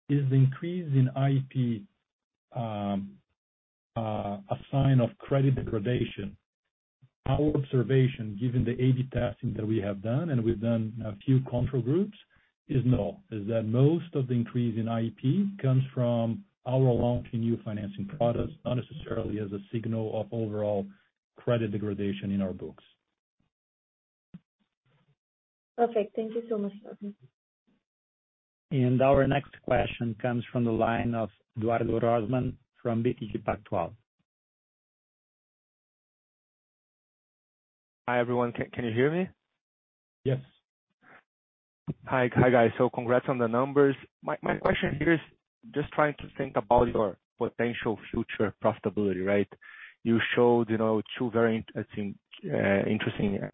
the increase in IEP a sign of credit degradation? Our observation, given the A/B testing that we have done, and we've done a few control groups, is no. That is, most of the increase in IEP comes from our launch of new financing products, not necessarily as a signal of overall credit degradation in our books. Perfect. Thank you so much, Lago. Our next question comes from the line of Eduardo Rosman from BTG Pactual. Hi, everyone. Can you hear me? Yes. Hi. Hi guys. Congrats on the numbers. My question here is just trying to think about your potential future profitability, right? You showed, you know, two very interesting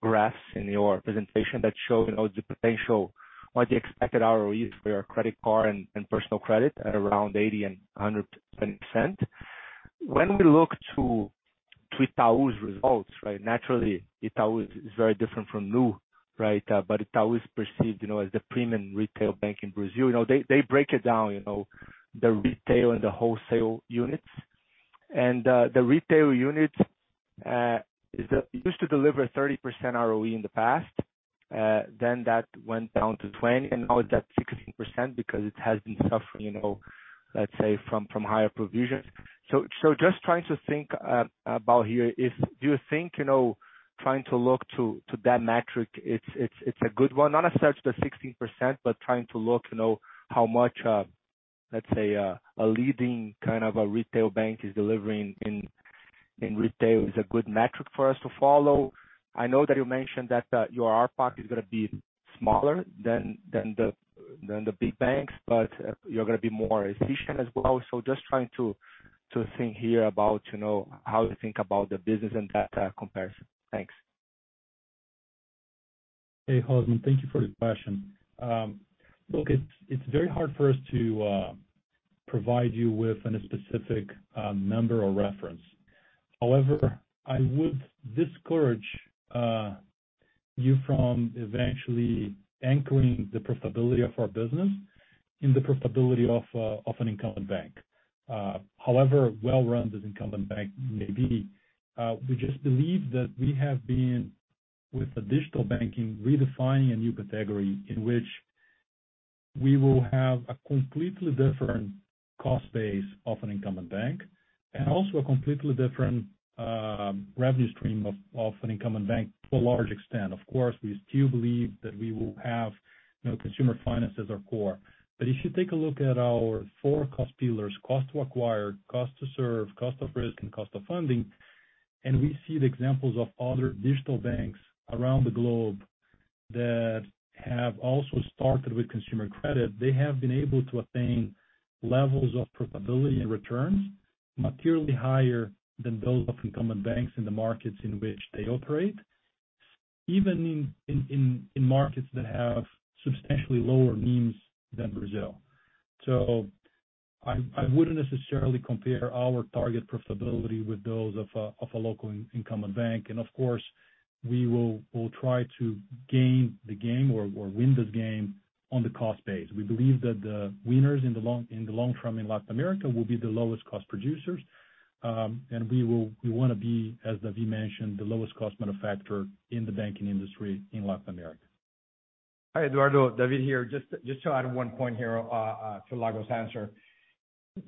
graphs in your presentation that show, you know, the potential or the expected ROEs for your credit card and personal credit at around 80% and 100%. When we look to Itaú's results, right? Naturally, Itaú is very different from Nu, right? But Itaú is perceived, you know, as the premium retail bank in Brazil. You know, they break it down, you know, the retail and the wholesale units. The retail unit is used to deliver 30% ROE in the past, then that went down to 20%, and now it's at 16% because it has been suffering, you know, let's say from higher provisions. Just trying to think about here, if you do think, you know, trying to look to that metric, it's a good one? Not as such the 16%, but trying to look, you know, how much, let's say, a leading kind of a retail bank is delivering in retail is a good metric for us to follow. I know that you mentioned that your RPAC is gonna be smaller than the big banks, but you're gonna be more efficient as well. Just trying to think here about, you know, how to think about the business and that comparison. Thanks. Hey, Rosman, thank you for the question. Look, it's very hard for us to provide you with any specific number or reference. However, I would discourage you from eventually anchoring the profitability of our business in the profitability of an incumbent bank. However well run this incumbent bank may be, we just believe that we have been with the digital banking redefining a new category in which we will have a completely different cost base of an incumbent bank and also a completely different revenue stream of an incumbent bank to a large extent. Of course, we still believe that we will have, you know, consumer finance as our core. If you take a look at our four cost pillars, Cost to Acquire, Cost to Serve, Cost of Risk, and Cost of Funding, and we see the examples of other digital banks around the globe that have also started with consumer credit. They have been able to attain levels of profitability and returns materially higher than those of incumbent banks in the markets in which they operate, even in markets that have substantially lower means than Brazil. I wouldn't necessarily compare our target profitability with those of a local incumbent bank. Of course, we will try to gain the game or win this game on the cost base. We believe that the winners in the long term in Latin America will be the lowest cost producers. We wanna be, as David mentioned, the lowest cost manufacturer in the banking industry in Latin America. Hi, Eduardo. David here. Just to add one point here to Lago's answer.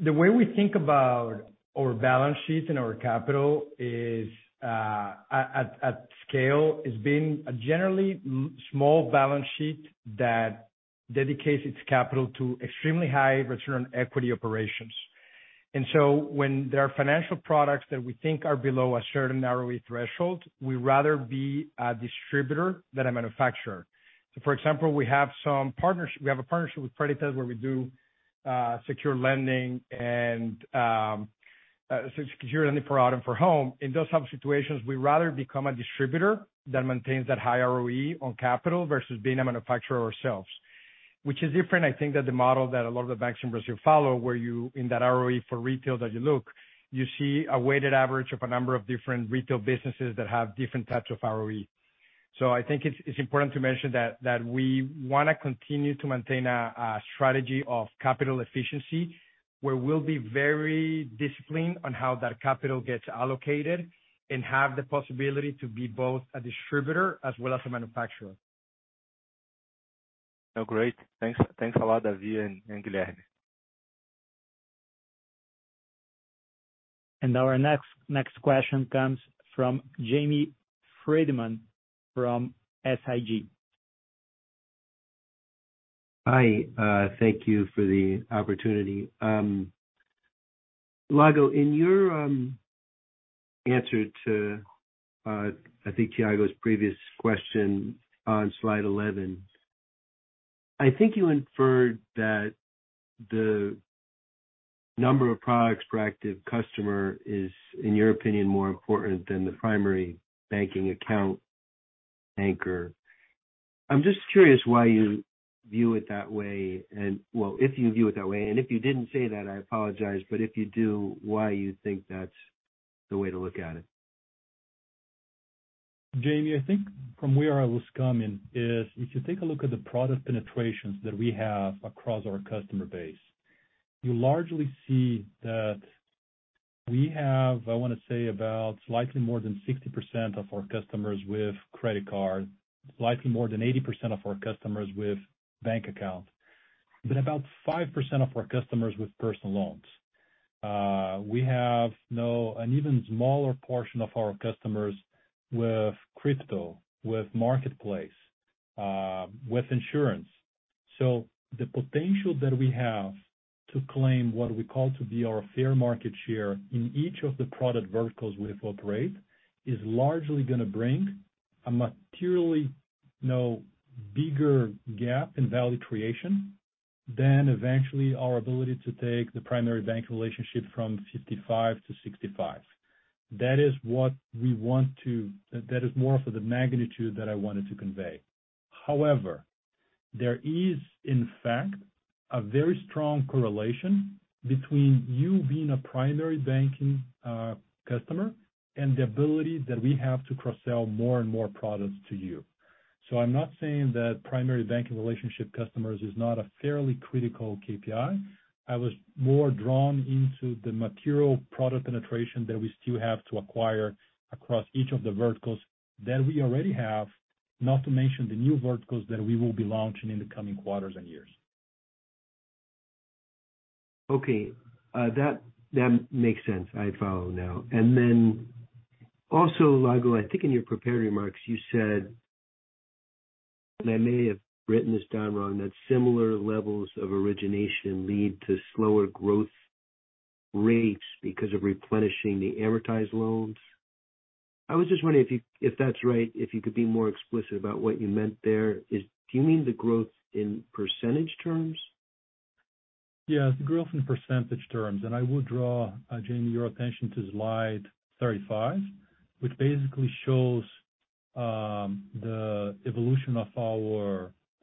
The way we think about our balance sheet and our capital is, at scale, being a generally small balance sheet that dedicates its capital to extremely high return on equity operations. When there are financial products that we think are below a certain ROE threshold, we rather be a distributor than a manufacturer. For example, we have some partners. We have a partnership with Creditas where we do secured lending and secured lending product for home. In those types of situations, we rather become a distributor that maintains that high ROE on capital versus being a manufacturer ourselves. Which is different, I think that the model that a lot of the banks in Brazil follow, where you, in that ROE for retail, that you look, you see a weighted average of a number of different retail businesses that have different types of ROE. I think it's important to mention that we wanna continue to maintain a strategy of capital efficiency, where we'll be very disciplined on how that capital gets allocated and have the possibility to be both a distributor as well as a manufacturer. Oh, great. Thanks. Thanks a lot, David and Guilherme. Our next question comes from Jamie Friedman from SIG. Hi, thank you for the opportunity. Lago, in your answer to, I think Thiago's previous question on slide 11, I think you inferred that the number of products per active customer is, in your opinion, more important than the primary banking account anchor. I'm just curious why you view it that way. Well, if you view it that way. If you didn't say that, I apologize, but if you do, why you think that's the way to look at it? Jamie, I think from where I was coming is if you take a look at the product penetrations that we have across our customer base, you largely see that we have, I wanna say, about slightly more than 60% of our customers with credit card, slightly more than 80% of our customers with bank account, but about 5% of our customers with personal loans. We have now an even smaller portion of our customers with crypto, with marketplace, with insurance. The potential that we have to claim what we call to be our fair market share in each of the product verticals we operate is largely gonna bring a materially, you know, bigger gap in value creation than eventually our ability to take the primary bank relationship from 55%-65%. That is more for the magnitude that I wanted to convey. However, there is, in fact, a very strong correlation between you being a primary banking customer and the ability that we have to cross-sell more and more products to you. I'm not saying that primary banking relationship customers is not a fairly critical KPI. I was more drawn into the material product penetration that we still have to acquire across each of the verticals that we already have, not to mention the new verticals that we will be launching in the coming quarters and years. Okay. That makes sense. I follow now. Then also, Lago, I think in your prepared remarks, you said, and I may have written this down wrong, that similar levels of origination lead to slower growth rates because of replenishing the amortized loans. I was just wondering if that's right, if you could be more explicit about what you meant there. Do you mean the growth in percentage terms? Yes. Growth in percentage terms. I would draw, Jamie, your attention to slide 35, which basically shows the evolution of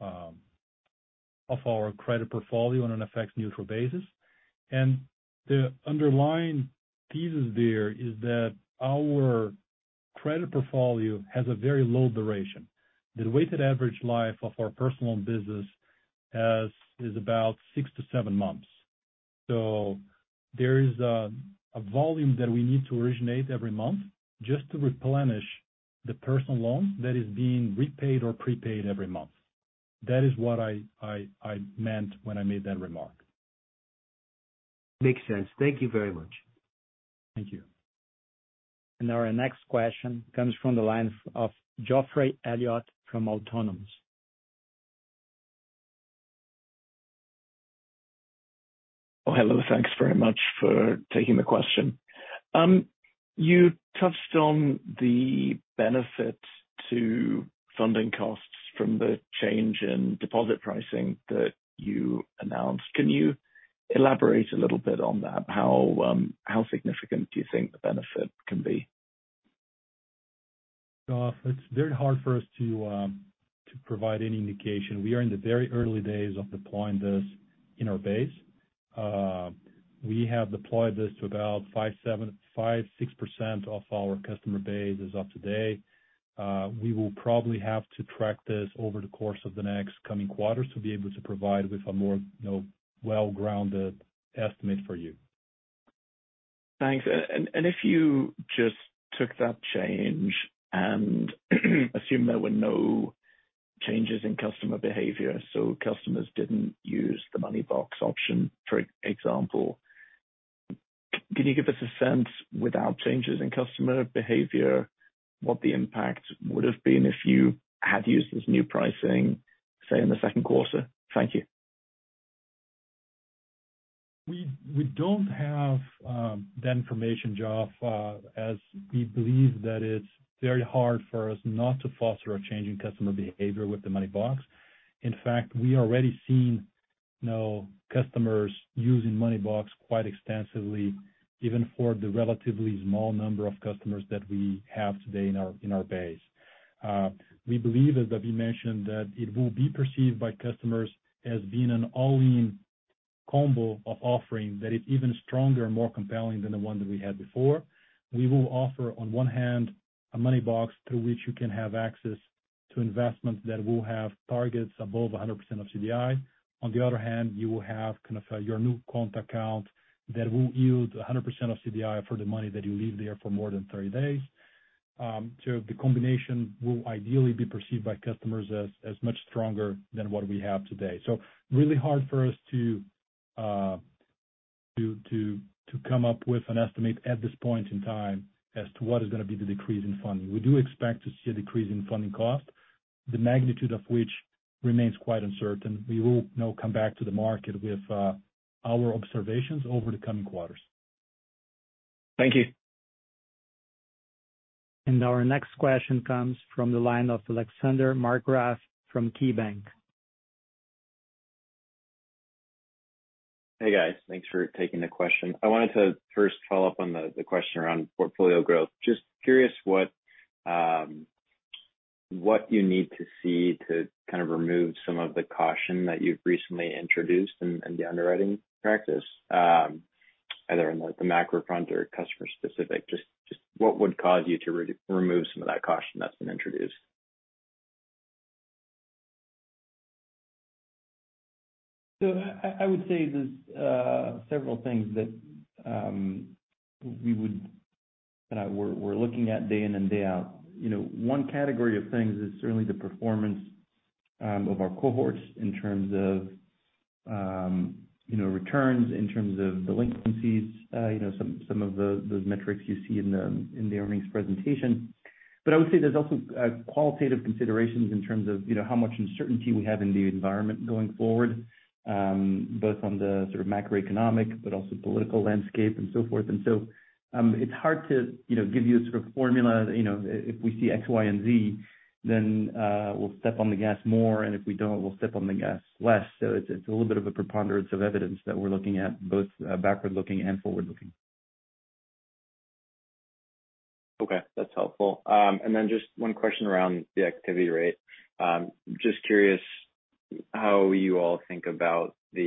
our of our credit portfolio on an FX-neutral basis. The underlying thesis there is that our credit portfolio has a very low duration. The weighted average life of our personal business is about six to seven months. There is a volume that we need to originate every month just to replenish the personal loan that is being repaid or prepaid every month. That is what I meant when I made that remark. Makes sense. Thank you very much. Thank you. Our next question comes from the line of Geoffrey Elliott from Autonomous. Oh, hello. Thanks very much for taking the question. You touched on the benefits to funding costs from the change in deposit pricing that you announced. Can you elaborate a little bit on that? How significant do you think the benefit can be? Geoffrey, it's very hard for us to provide any indication. We are in the very early days of deploying this in our base. We have deployed this to about 5.756% of our customer base as of today. We will probably have to track this over the course of the next coming quarters to be able to provide with a more, you know, well-grounded estimate for you. Thanks. If you just took that change and assume there were no changes in customer behavior, so customers didn't use the Money Boxes option, for example, can you give us a sense, without changes in customer behavior, what the impact would have been if you had used this new pricing, say, in the second quarter? Thank you. We don't have that information, Geoffrey, as we believe that it's very hard for us not to foster a change in customer behavior with the Moneybox. In fact, we already seen, you know, customers using Moneybox quite extensively, even for the relatively small number of customers that we have today in our base. We believe, as David mentioned, that it will be perceived by customers as being an all-in combo of offering that is even stronger and more compelling than the one that we had before. We will offer, on one hand, a Moneybox through which you can have access to investments that will have targets above 100% of CDI. On the other hand, you will have kind of your new current account that will yield 100% of CDI for the money that you leave there for more than 30 days. The combination will ideally be perceived by customers as much stronger than what we have today. Really hard for us to come up with an estimate at this point in time as to what is gonna be the decrease in funding. We do expect to see a decrease in funding cost, the magnitude of which remains quite uncertain. We will now come back to the market with our observations over the coming quarters. Thank you. Our next question comes from the line of Alex Markgraf from KeyBanc. Hey, guys. Thanks for taking the question. I wanted to first follow up on the question around portfolio growth. Just curious what you need to see to kind of remove some of the caution that you've recently introduced in the underwriting practice, either in the macro front or customer specific. Just what would cause you to re-remove some of that caution that's been introduced? I would say there's several things that we're looking at day in and day out. You know, one category of things is certainly the performance of our cohorts in terms of you know, returns, in terms of delinquencies, you know, some of those metrics you see in the earnings presentation. I would say there's also qualitative considerations in terms of you know, how much uncertainty we have in the environment going forward, both on the sort of macroeconomic but also political landscape and so forth. It's hard to you know, give you a sort of formula that you know, if we see X, Y, and Z, then we'll step on the gas more, and if we don't, we'll step on the gas less. It's a little bit of a preponderance of evidence that we're looking at, both backward-looking and forward-looking. Okay. That's helpful. Just one question around the activity rate. Just curious how you all think about the,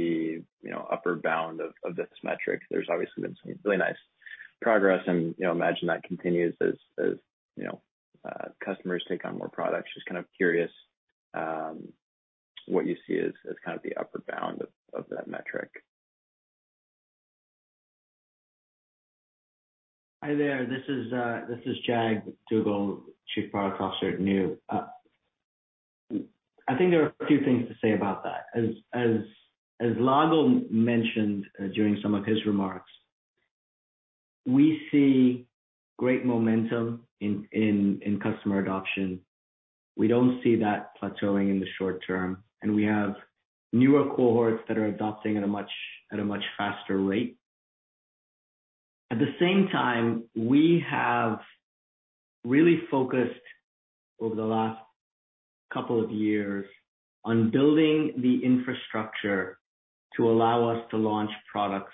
you know, upper bound of this metric. There's obviously been some really nice progress and, you know, imagine that continues as you know, customers take on more products. Just kind of curious, what you see as kind of the upper bound of that metric. Hi there. This is Jag Duggal, Chief Product Officer at Nu. I think there are a few things to say about that. As Lago mentioned during some of his remarks, we see great momentum in customer adoption. We don't see that plateauing in the short term, and we have newer cohorts that are adopting at a much faster rate. At the same time, we have really focused over the last couple of years on building the infrastructure to allow us to launch products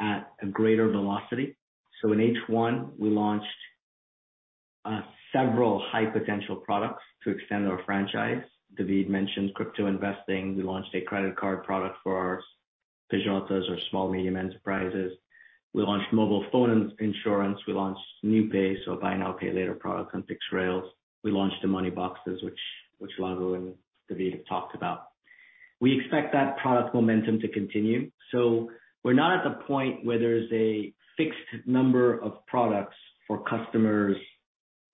at a greater velocity. In H1, we launched several high potential products to extend our franchise. David mentioned crypto investing. We launched a credit card product for our pessoas jurídicas or small, medium enterprises. We launched mobile phone insurance. We launched NuPay, so a buy now, pay later product on fixed rails. We launched the Money Boxes, which Lago and David talked about. We expect that product momentum to continue. We're not at the point where there's a fixed number of products for customers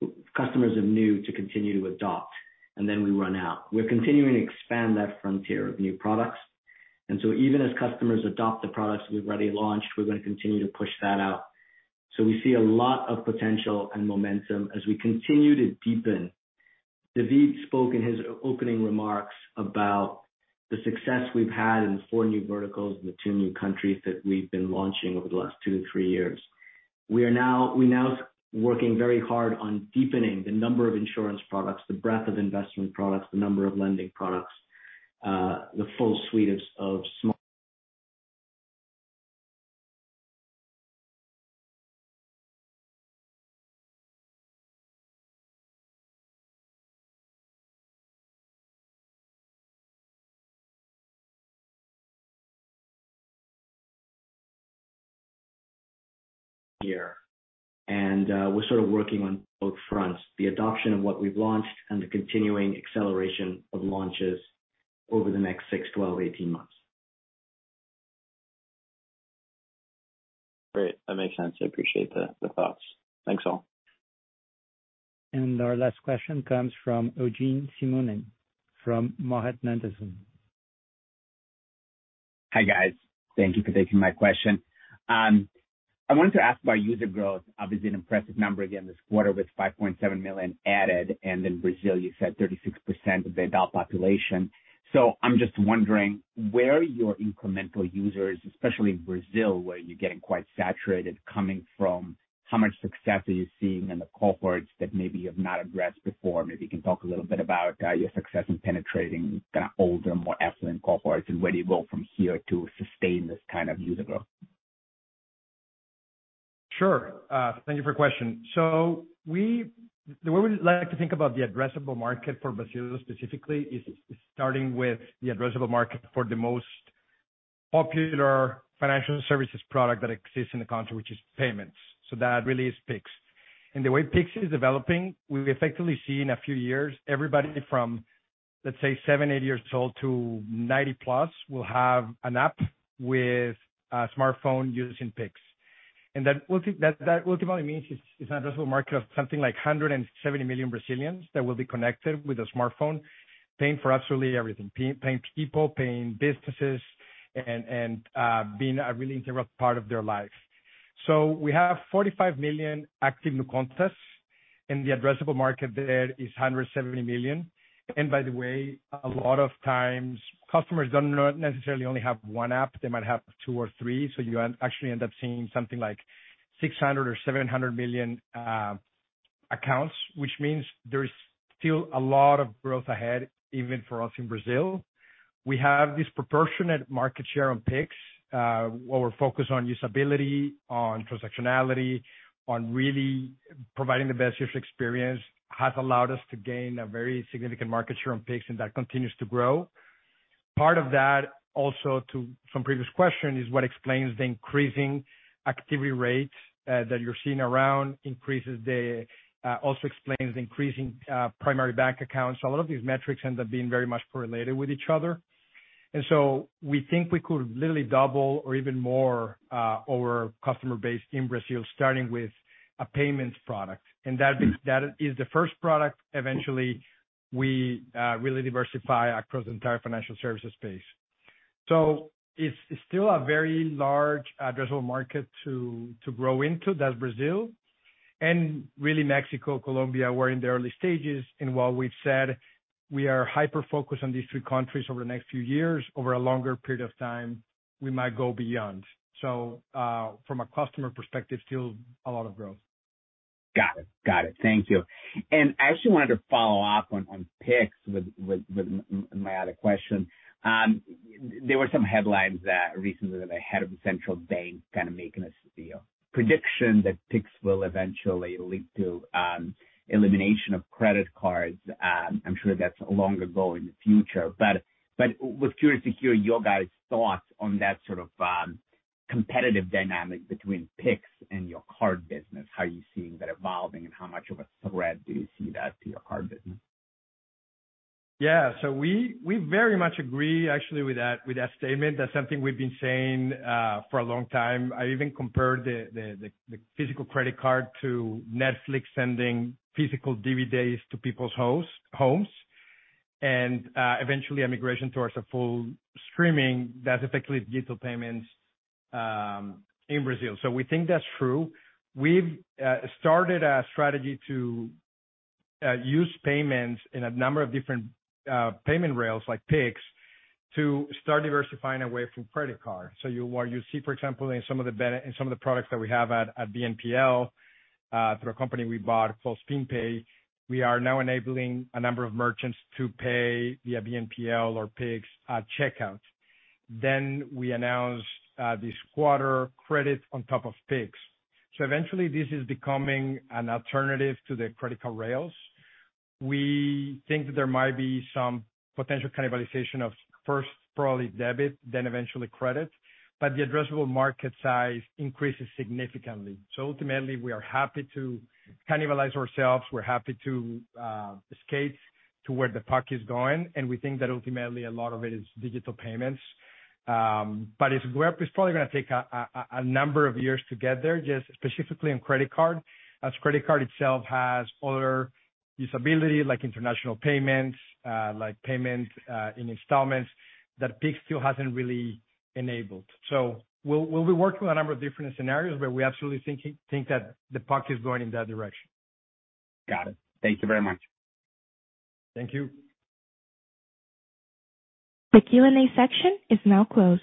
of Nu to continue to adopt and then we run out. We're continuing to expand that frontier of new products. Even as customers adopt the products we've already launched, we're gonna continue to push that out. We see a lot of potential and momentum as we continue to deepen. David spoke in his opening remarks about the success we've had in four new verticals and the two new countries that we've been launching over the last two to three years. We're now working very hard on deepening the number of insurance products, the breadth of investment products, the number of lending products. We're sort of working on both fronts, the adoption of what we've launched and the continuing acceleration of launches over the next six, 12, 18 months. Great. That makes sense. I appreciate the thoughts. Thanks, all. Our last question comes from Eugene Simuni from MoffettNathanson. Hi, guys. Thank you for taking my question. I wanted to ask about user growth. Obviously an impressive number again this quarter with 5.7 million added, and in Brazil, you said 36% of the adult population. I'm just wondering where your incremental users, especially in Brazil, where you're getting quite saturated coming from, how much success are you seeing in the cohorts that maybe you have not addressed before? Maybe you can talk a little bit about your success in penetrating kinda older, more affluent cohorts and where do you go from here to sustain this kind of user growth? Sure. Thank you for your question. The way we like to think about the addressable market for Brazil specifically is starting with the addressable market for the most popular financial services product that exists in the country, which is payments. That really is Pix. The way Pix is developing, we effectively see in a few years everybody from- Let's say seven, eight years old to 90+ will have an app with a smartphone using Pix. That ultimately means it's an addressable market of something like 170 million Brazilians that will be connected with a smartphone, paying for absolutely everything. Paying people, paying businesses and being a really integral part of their life. We have 45 million active NuContas, and the addressable market there is 170 million. By the way, a lot of times customers don't necessarily only have one app, they might have two or three. You actually end up seeing something like 600 or 700 million accounts, which means there is still a lot of growth ahead, even for us in Brazil. We have disproportionate market share on Pix. What we're focused on usability, on transactionality, on really providing the best user experience has allowed us to gain a very significant market share on Pix, and that continues to grow. Part of that also to some previous question is what explains the increasing activity rates that you're seeing. Also explains the increasing primary bank accounts. A lot of these metrics end up being very much correlated with each other. We think we could literally double or even more our customer base in Brazil, starting with a payments product. That is the first product. Eventually, we really diversify across the entire financial services space. It's still a very large addressable market to grow into, that's Brazil. Really Mexico, Colombia, we're in the early stages. While we've said we are hyper-focused on these three countries over the next few years, over a longer period of time, we might go beyond. From a customer perspective, still a lot of growth. Got it. Thank you. I actually wanted to follow up on Pix with my other question. There were some headlines recently that the head of the Central Bank kind of making a prediction that Pix will eventually lead to elimination of credit cards. I'm sure that's a longer goal in the future, but was curious to hear your guys' thoughts on that sort of competitive dynamic between Pix and your card business. How are you seeing that evolving and how much of a threat do you see that to your card business? Yeah. We very much agree actually with that statement. That's something we've been saying for a long time. I even compared the physical credit card to Netflix sending physical DVDs to people's homes, eventually a migration towards a full streaming that's effectively digital payments in Brazil. We think that's true. We've started a strategy to use payments in a number of different payment rails like Pix to start diversifying away from credit card. What you see, for example, in some of the products that we have at BNPL through a company we bought called Spin Pay, we are now enabling a number of merchants to pay via BNPL or Pix at checkout. We announced this quarter credit on top of Pix. Eventually this is becoming an alternative to the credit card rails. We think that there might be some potential cannibalization of first probably debit, then eventually credit, but the addressable market size increases significantly. Ultimately, we are happy to cannibalize ourselves. We're happy to skate to where the puck is going. We think that ultimately a lot of it is digital payments. But it's probably gonna take a number of years to get there, just specifically on credit card, as credit card itself has other usability like international payments, like payment in installments that Pix still hasn't really enabled. We'll be working on a number of different scenarios, but we absolutely think that the puck is going in that direction. Got it. Thank you very much. Thank you. The Q&A section is now closed.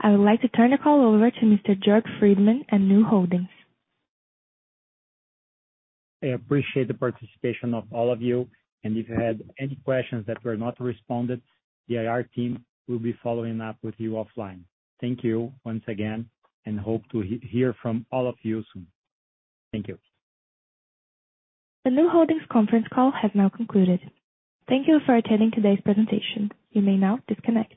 I would like to turn the call over to Mr. Jörg Friedemann and Nu Holdings. I appreciate the participation of all of you. If you had any questions that were not responded, the IR team will be following up with you offline. Thank you once again, and hope to hear from all of you soon. Thank you. The Nu Holdings conference call has now concluded. Thank you for attending today's presentation. You may now disconnect.